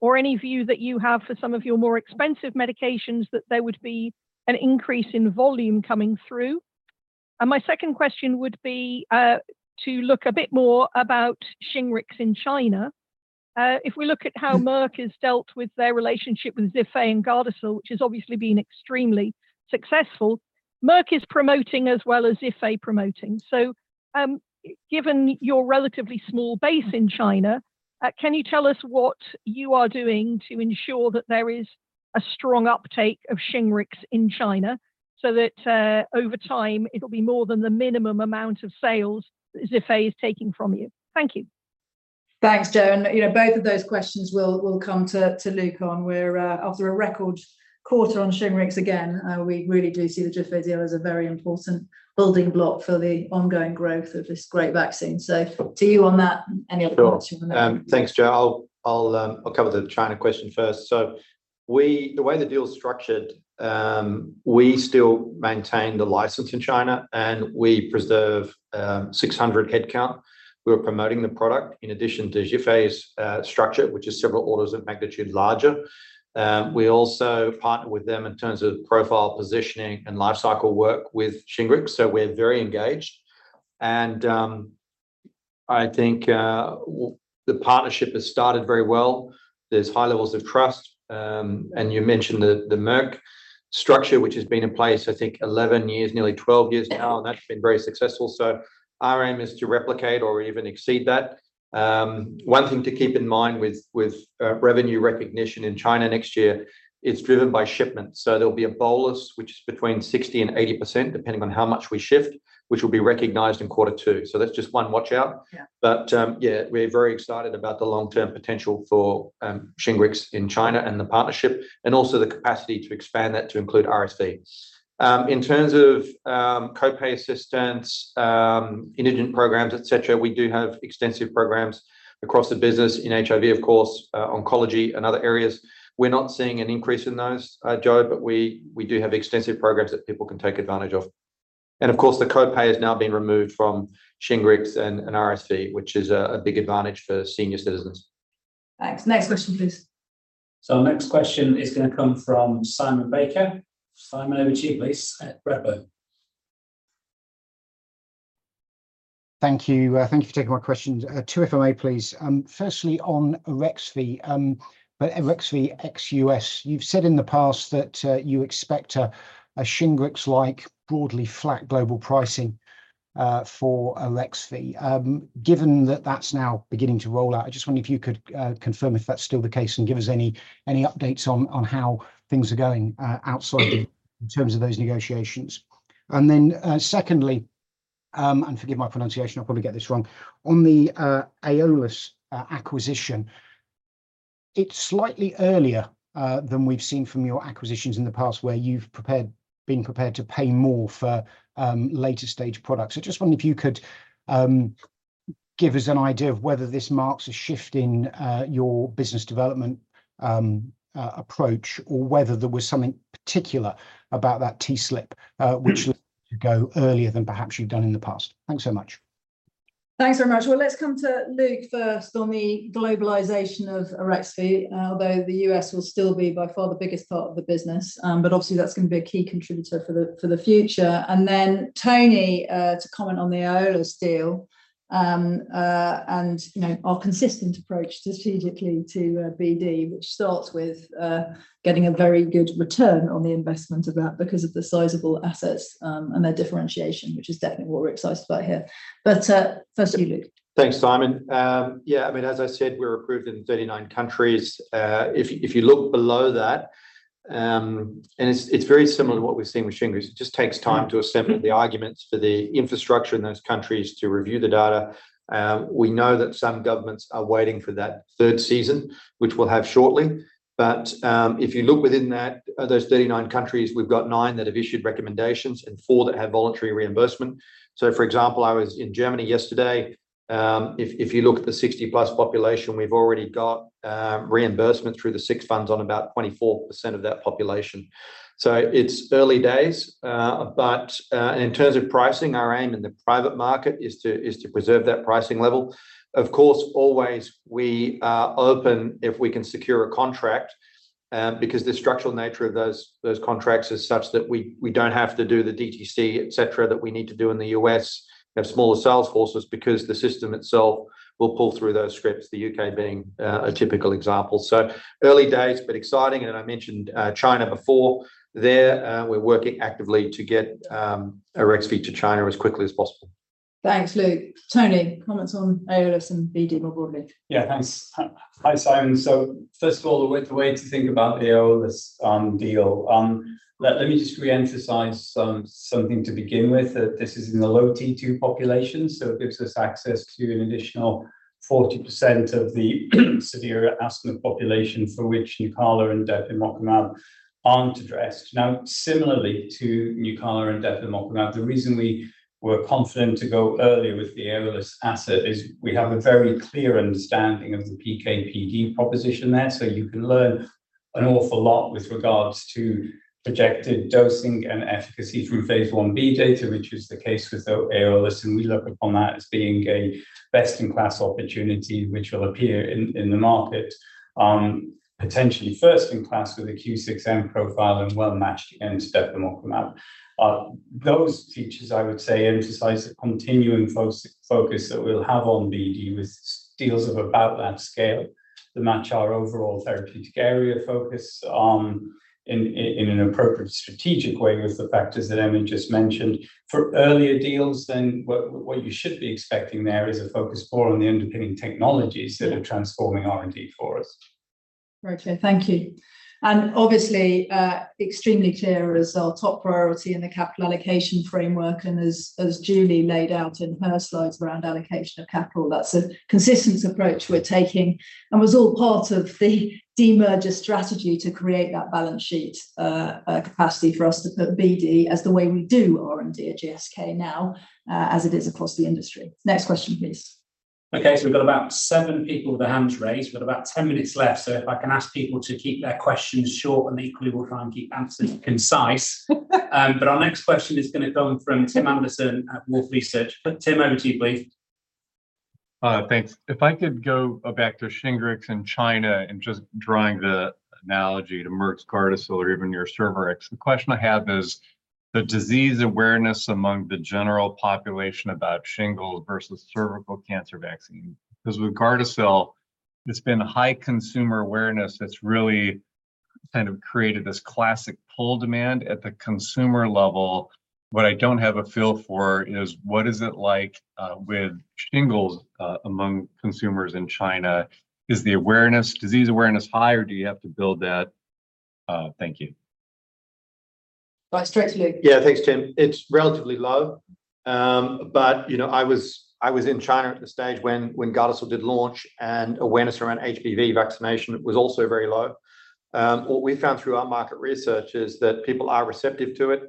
or any view that you have for some of your more expensive medications, that there would be an increase in volume coming through? And my second question would be, to look a bit more about Shingrix in China. If we look at how Merck has dealt with their relationship with Zhifei and Gardasil, which has obviously been extremely successful, Merck is promoting as well as Zhifei promoting. So, given your relatively small base in China, can you tell us what you are doing to ensure that there is a strong uptake of Shingrix in China so that, over time, it'll be more than the minimum amount of sales Zhifei is taking from you? Thank you.
Thanks, Jo. And, you know, both of those questions we'll come to, to Luke on. We're after a record quarter on Shingrix again, we really do see the Zhifei deal as a very important building block for the ongoing growth of this great vaccine. So to you on that and any other comments you want to make.
Sure. Thanks, Jo. I'll cover the China question first. The way the deal is structured, we still maintain the license in China, and we preserve 600 headcount. We are promoting the product in addition to Zhifei's structure, which is several orders of magnitude larger. We also partner with them in terms of profile positioning and life cycle work with Shingrix, so we're very engaged. I think the partnership has started very well. There's high levels of trust, and you mentioned the Merck structure, which has been in place, I think 11 years, nearly 12 years now, and that's been very successful. So our aim is to replicate or even exceed that. One thing to keep in mind with revenue recognition in China next year, it's driven by shipments. So there'll be a bolus, which is between 60% and 80%, depending on how much we shift, which will be recognized in quarter two. So that's just one watch-out.
Yeah.
Yeah, we're very excited about the long-term potential for Shingrix in China and the partnership, and also the capacity to expand that to include RSV. In terms of co-pay assistance, indigent programs, et cetera, we do have extensive programs across the business in HIV, of course, oncology and other areas. We're not seeing an increase in those, Joe, but we do have extensive programs that people can take advantage of. Of course, the co-pay has now been removed from Shingrix and RSV, which is a big advantage for senior citizens.
Thanks. Next question, please.
Our next question is gonna come from Simon Baker. Simon, over to you, please, at Redburn.
Thank you. Thank you for taking my questions. Two if I may, please. Firstly, on Arexvy, but Arexvy ex U.S., you've said in the past that you expect a Shingrix-like broadly flat global pricing for Arexvy. Given that that's now beginning to roll out, I just wonder if you could confirm if that's still the case and give us any updates on how things are going outside of the U.S. in terms of those negotiations. And then, secondly, and forgive my pronunciation, I'll probably get this wrong. On the Aiolos acquisition, it's slightly earlier than we've seen from your acquisitions in the past, where you've been prepared to pay more for later-stage products. So I just wonder if you could give us an idea of whether this marks a shift in your business development approach, or whether there was something particular about that TSLP which led you to go earlier than perhaps you've done in the past. Thanks so much.
Thanks very much. Well, let's come to Luke first on the globalization of Arexvy, although the U.S. will still be by far the biggest part of the business. But obviously that's going to be a key contributor for the future. And then, Tony, to comment on the Aiolos deal, and, you know, our consistent approach strategically to BD, which starts with getting a very good return on the investment of that because of the sizable assets and their differentiation, which is definitely what we're excited about here. But first to you, Luke.
Thanks, Simon. Yeah, I mean, as I said, we're approved in 39 countries. If you look below that, and it's very similar to what we've seen with Shingrix. It just takes time to assemble the arguments for the infrastructure in those countries to review the data. We know that some governments are waiting for that third season, which we'll have shortly. But if you look within that, those 39 countries, we've got nine that have issued recommendations and four that have voluntary reimbursement. So, for example, I was in Germany yesterday. If you look at the 60+ population, we've already got reimbursement through the six funds on about 24% of that population. So it's early days, but and in terms of pricing, our aim in the private market is to preserve that pricing level. Of course, always we are open if we can secure a contract, because the structural nature of those contracts is such that we don't have to do the DTC, et cetera, that we need to do in the U.S. We have smaller sales forces because the system itself will pull through those scripts, the U.K. being, a typical example. So early days, but exciting, and I mentioned, China before. There, we're working actively to get Arexvy to China as quickly as possible.
Thanks, Luke. Tony, comments on Aiolos and BD more broadly.
Yeah, thanks. Hi, Simon. So first of all, the way to think about the Aiolos deal, let me just re-emphasize something to begin with, that this is in the low T2 population, so it gives us access to an additional 40% of the severe asthma population for which Nucala and depemokimab aren't addressed. Now, similarly to Nucala and depemokimab, the reason we were confident to go earlier with the Aiolos asset is we have a very clear understanding of the PK/PD proposition there. So you can learn an awful lot with regards to projected dosing and efficacy through phase I-B data, which is the case with the Aiolos, and we look upon that as being a best-in-class opportunity, which will appear in the market, potentially first in class with a Q6M profile and well-matched against depemokimab. Those features, I would say, emphasize the continuing focus that we'll have on BD with deals of about that scale, that match our overall therapeutic area focus in an appropriate strategic way with the factors that Emma just mentioned. For earlier deals, what you should be expecting there is a focus more on the underpinning technologies that are transforming R&D for us.
Very clear. Thank you. And obviously, extremely clear as our top priority in the capital allocation framework. And as Julie laid out in her slides around allocation of capital, that's a consistent approach we're taking, and was all part of the demerger strategy to create that balance sheet, capacity for us to put BD as the way we do R&D at GSK now, as it is across the industry. Next question, please.
Okay, so we've got about seven people with their hands raised. We've got about 10 minutes left, so if I can ask people to keep their questions short, and equally, we'll try and keep answers concise. But our next question is gonna come from Tim Anderson at Wolfe Research. Tim, over to you, please.
Thanks. If I could go back to Shingrix in China, and just drawing the analogy to Merck's Gardasil or even your Cervarix, the question I have is the disease awareness among the general population about shingles versus cervical cancer vaccine. 'Cause with Gardasil, it's been high consumer awareness that's really kind of created this classic pull demand at the consumer level. What I don't have a feel for is what is it like with shingles among consumers in China? Is the awareness, disease awareness high, or do you have to build that? Thank you.
Right, straight to you.
Yeah. Thanks, Tim. It's relatively low. But, you know, I was in China at the stage when Gardasil did launch, and awareness around HPV vaccination was also very low. What we found through our market research is that people are receptive to it.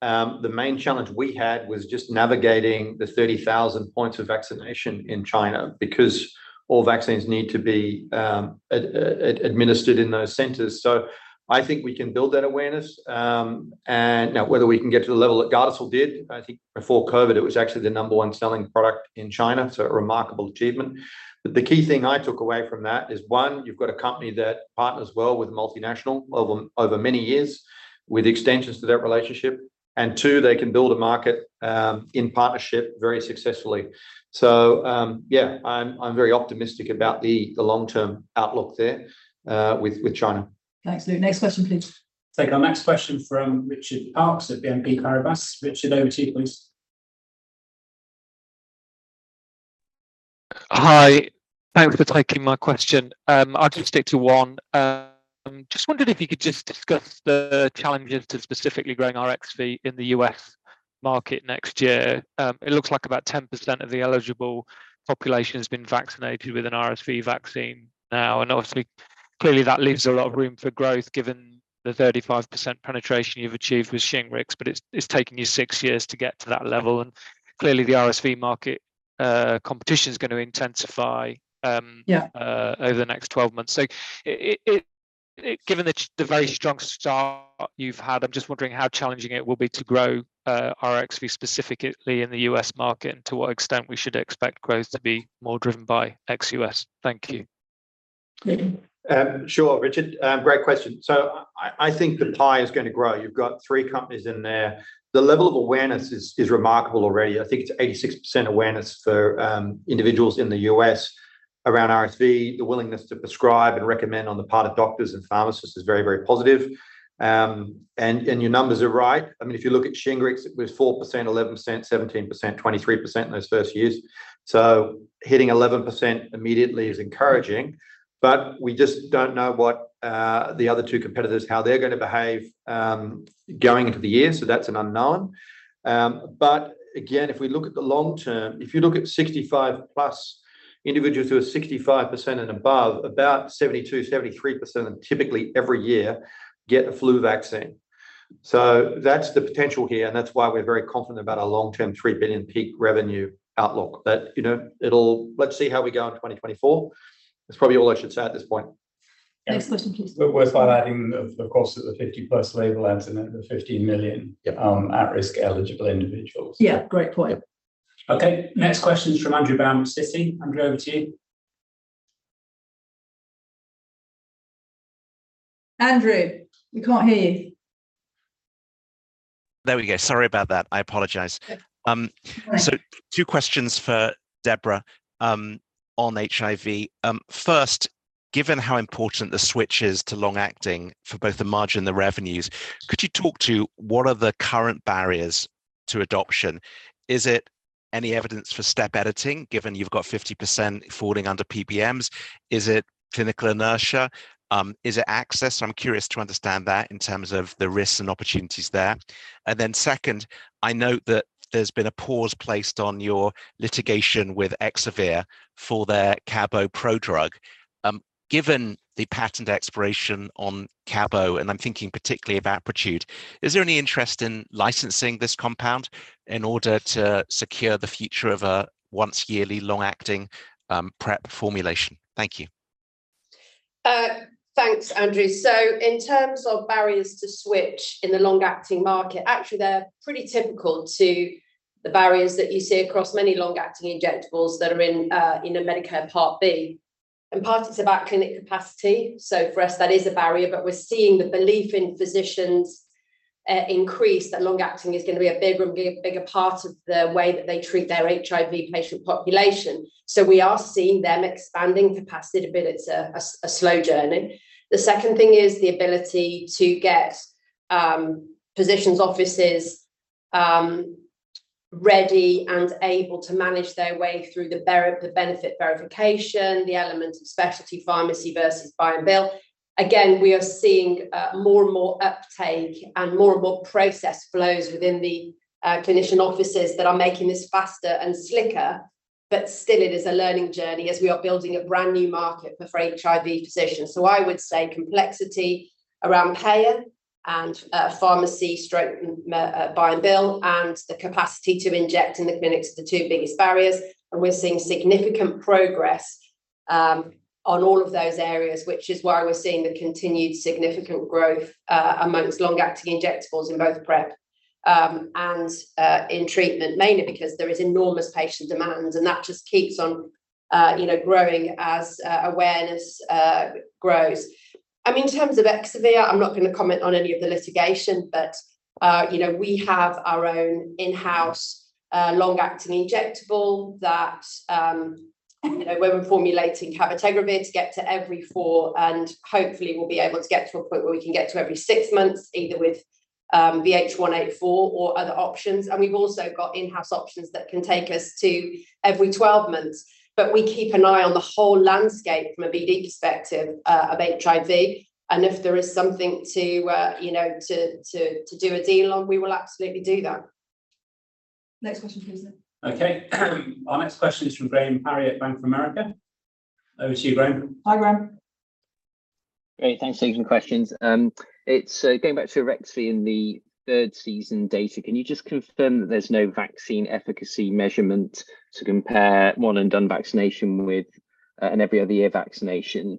The main challenge we had was just navigating the 30,000 points of vaccination in China, because all vaccines need to be administered in those centers. So I think we can build that awareness. Now, whether we can get to the level that Gardasil did, I think before COVID, it was actually the number one selling product in China, so a remarkable achievement. But the key thing I took away from that is, one, you've got a company that partners well with multinational over many years, with extensions to that relationship, and two, they can build a market in partnership very successfully. So, yeah, I'm very optimistic about the long-term outlook there with China.
Thanks, Luke. Next question, please.
Take our next question from Richard Parkes at BNP Paribas. Richard, over to you, please.
Hi. Thanks for taking my question. I'll just stick to one. Just wondered if you could just discuss the challenges to specifically growing RSV in the U.S. market next year. It looks like about 10% of the eligible population has been vaccinated with an RSV vaccine now, and obviously, clearly, that leaves a lot of room for growth, given the 35% penetration you've achieved with Shingrix, but it's, it's taking you six years to get to that level, and clearly, the RSV market competition is gonna intensify over the next 12 months. So, given the very strong start you've had, I'm just wondering how challenging it will be to grow RSV, specifically in the U.S. market, and to what extent we should expect growth to be more driven by ex-U.S. Thank you.
Luke?
Sure, Richard, great question. So I think the pie is gonna grow. You've got three companies in there. The level of awareness is remarkable already. I think it's 86% awareness for individuals in the U.S. around RSV. The willingness to prescribe and recommend on the part of doctors and pharmacists is very, very positive. And your numbers are right. I mean, if you look at Shingrix, it was 4%, 11%, 17%, 23% in those first years. So hitting 11% immediately is encouraging, but we just don't know what the other two competitors, how they're gonna behave going into the year, so that's an unknown. But again, if we look at the long term, if you look at 65+, individuals who are 65% and above, about 72%, 73%, typically every year, get a flu vaccine. So that's the potential here, and that's why we're very confident about our long-term 3 billion peak revenue outlook. But, you know, let's see how we go in 2024. That's probably all I should say at this point.
Next question, please.
It's worth by adding, of course, that the 50+ label adds another 15 million at-risk eligible individuals.
Yeah, great point.
Yep.
Okay, next question is from Andrew Baum at Citi. Andrew, over to you.
Andrew, we can't hear you.
There we go. Sorry about that. I apologize.
Yep.
Two questions for Deborah, on HIV. First, given how important the switch is to long-acting for both the margin and the revenues, could you talk to what are the current barriers to adoption? Is it any evidence for step editing, given you've got 50% falling under PBMs? Is it clinical inertia? Is it access? I'm curious to understand that in terms of the risks and opportunities there. And then second, I note that there's been a pause placed on your litigation with Exavir for their cabo prodrug. Given the patent expiration on cabo, and I'm thinking particularly of Apretude, is there any interest in licensing this compound in order to secure the future of a once yearly long-acting, PrEP formulation? Thank you.
Thanks, Andrew. So in terms of barriers to switch in the long-acting market, actually, they're pretty typical to the barriers that you see across many long-acting injectables that are in a Medicare Part B. In part, it's about clinic capacity, so for us, that is a barrier, but we're seeing the belief in physicians increase, that long-acting is gonna be a bigger and be a bigger part of the way that they treat their HIV patient population. So we are seeing them expanding capacity, but it's a slow journey. The second thing is the ability to get physicians' offices ready and able to manage their way through the benefit verification, the element of specialty pharmacy versus buy and bill. Again, we are seeing more and more uptake and more and more process flows within the clinician offices that are making this faster and slicker, but still, it is a learning journey as we are building a brand-new market for HIV physicians. So I would say complexity around payer and pharmacy buy and bill, and the capacity to inject in the clinics are the two biggest barriers. And we're seeing significant progress on all of those areas, which is why we're seeing the continued significant growth among long-acting injectables in both PrEP and in treatment, mainly because there is enormous patient demand, and that just keeps on, you know, growing as awareness grows. I mean, in terms of Exavir, I'm not going to comment on any of the litigation, but, you know, we have our own in-house, long-acting injectable that, you know, we're formulating cabotegravir to get to every four, and hopefully we'll be able to get to a point where we can get to every six months, either with, VH184 or other options. And we've also got in-house options that can take us to every 12 months. But we keep an eye on the whole landscape from a BD perspective, of HIV, and if there is something to, you know, to do a deal on, we will absolutely do that.
Next question, please, Nick.
Okay. Our next question is from Graham Parry at Bank of America. Over to you, Graham.
Hi, Graham.
Great. Thanks for taking the questions. It's going back to Arexvy in the third season data, can you just confirm that there's no vaccine efficacy measurement to compare one-and-done vaccination with an every other year vaccination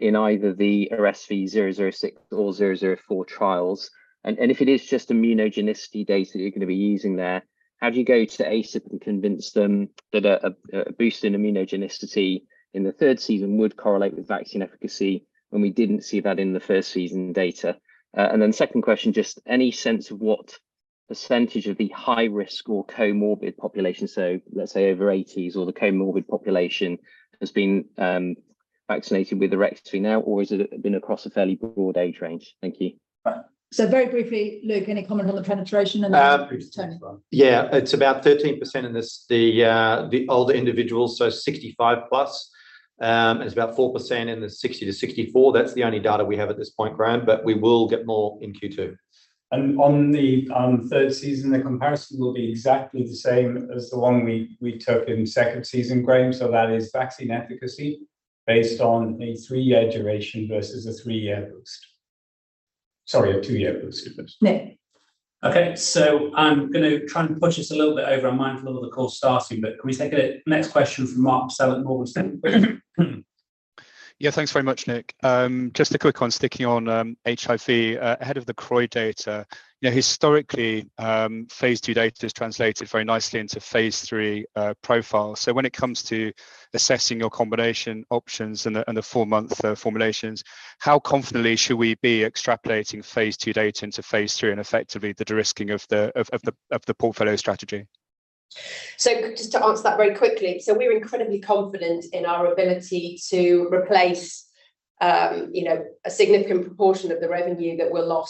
in either the RSV 006 or 004 trials? And if it is just immunogenicity data you're going to be using there, how do you go to the ACIP and convince them that a boost in immunogenicity in the third season would correlate with vaccine efficacy when we didn't see that in the first season data? And then second question, just any sense of what percentage of the high risk or comorbid population, so let's say over 80s or the comorbid population, has been vaccinated with Arexvy now, or has it been across a fairly broad age range? Thank you.
Very briefly, Luke, any comment on the penetration, and then Tony.
Yeah, it's about 13% in the older individuals, so 65+. It's about 4% in the 60 to 64. That's the only data we have at this point, Graham, but we will get more in Q2.
On the third season, the comparison will be exactly the same as the one we took in second season, Graham. So that is vaccine efficacy based on a three-year duration versus a three-year boost. Sorry, a two-year boost.
Yeah.
Okay, so I'm going to try and push us a little bit over. I'm mindful of the call starting, but can we take a next question from Mark Purcell at Morgan Stanley?
Yeah, thanks very much, Nick. Just to quick on, sticking on, HIV, ahead of the CROI data, you know, historically, phase II data is translated very nicely into phase III profiles. So when it comes to assessing your combination options and the four-month formulations, how confidently should we be extrapolating phase II data into phase III and effectively the de-risking of the portfolio strategy?
So just to answer that very quickly. So we're incredibly confident in our ability to replace, you know, a significant proportion of the revenue that will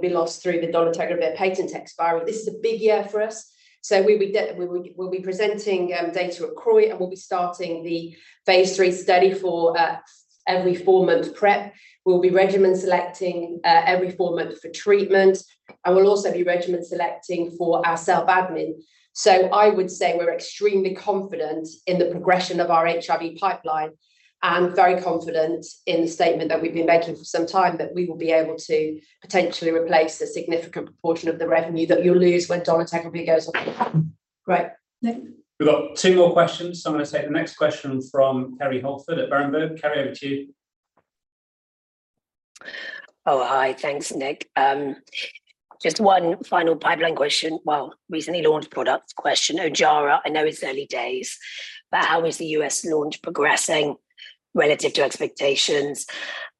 be lost through the dolutegravir patent expiry. This is a big year for us, so we will, we'll be presenting, data at CROI, and we'll be starting the phase III study for, every four-month PrEP. We'll be regimen selecting, every four-month for treatment, and we'll also be regimen selecting for our self admin. So I would say we're extremely confident in the progression of our HIV pipeline and very confident in the statement that we've been making for some time, that we will be able to potentially replace a significant proportion of the revenue that we'll lose when dolutegravir goes off the patent.
Great. Nick?
We've got two more questions. So I'm going to take the next question from Kerry Holford at Berenberg. Kerry, over to you.
Oh, hi. Thanks, Nick. Just one final pipeline question. Well, recently launched products question. Ojjaara, I know it's early days, but how is the U.S. launch progressing relative to expectations,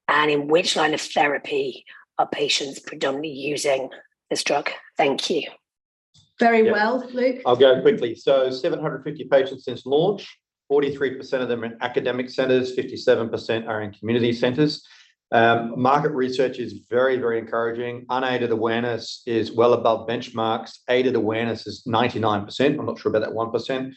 and in which line of therapy are patients predominantly using this drug? Thank you.
Very well, Luke?
I'll go quickly. So 750 patients since launch, 43% of them in academic centers, 57% are in community centers. Market research is very, very encouraging. Unaided awareness is well above benchmarks. Aided awareness is 99%. I'm not sure about that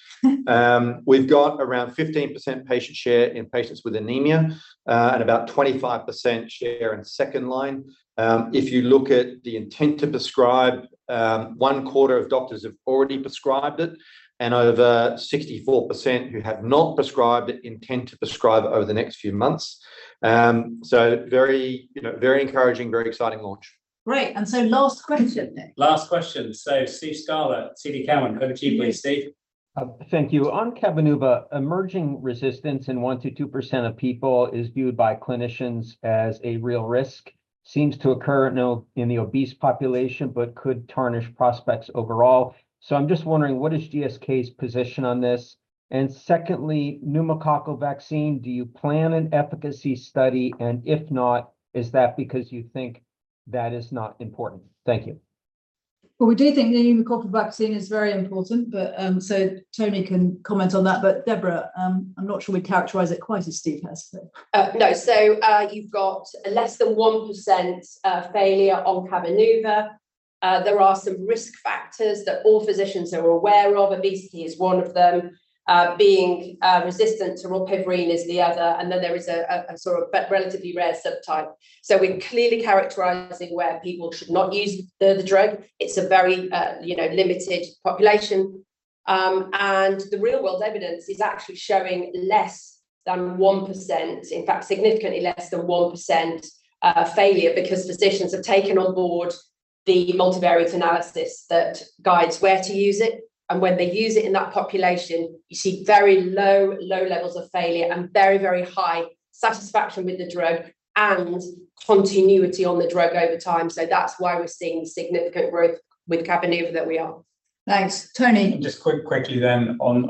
1%. We've got around 15% patient share in patients with anemia, and about 25% share in second line. If you look at the intent to prescribe, one quarter of doctors have already prescribed it, and over 64% who have not prescribed it intend to prescribe it over the next few months. So, you know, very encouraging, very exciting launch.
Great. And so last question, Nick.
Last question. So Steve Scala, TD Cowen. Over to you, please, Steve.
Thank you. On Cabenuva, emerging resistance in 1%-2% of people is viewed by clinicians as a real risk, seems to occur in the obese population, but could tarnish prospects overall. So I'm just wondering, what is GSK's position on this? And secondly, pneumococcal vaccine, do you plan an efficacy study, and if not, is that because you think that is not important? Thank you.
Well, we do think the pneumococcal vaccine is very important, so Tony can comment on that, but Deborah, I'm not sure we'd characterize it quite as Steve has.
No. So, you've got less than 1% failure on Cabenuva. There are some risk factors that all physicians are aware of. Obesity is one of them. Being resistant to rilpivirine is the other, and then there is a relatively rare subtype. So we're clearly characterizing where people should not use the drug. It's a very, you know, limited population. And the real-world evidence is actually showing less than 1%, in fact, significantly less than 1% failure, because physicians have taken on board the multivariate analysis that guides where to use it. And when they use it in that population, you see very low levels of failure and very high satisfaction with the drug and continuity on the drug over time. That's why we're seeing significant growth with Cabenuva that we are.
Thanks. Tony.
Just quickly then, on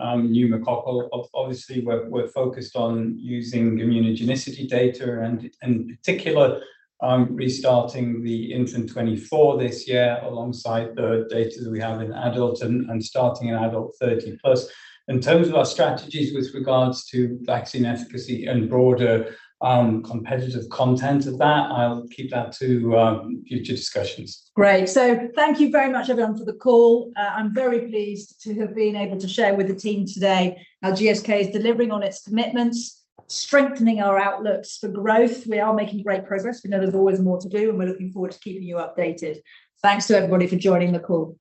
pneumococcal. Obviously, we're focused on using immunogenicity data and, in particular, restarting the INFANT-24 this year alongside the data that we have in adults and starting in adult 30+. In terms of our strategies with regards to vaccine efficacy and broader competitive context of that, I'll keep that to future discussions.
Great. So thank you very much, everyone, for the call. I'm very pleased to have been able to share with the team today how GSK is delivering on its commitments, strengthening our outlooks for growth. We are making great progress, we know there's always more to do, and we're looking forward to keeping you updated. Thanks to everybody for joining the call.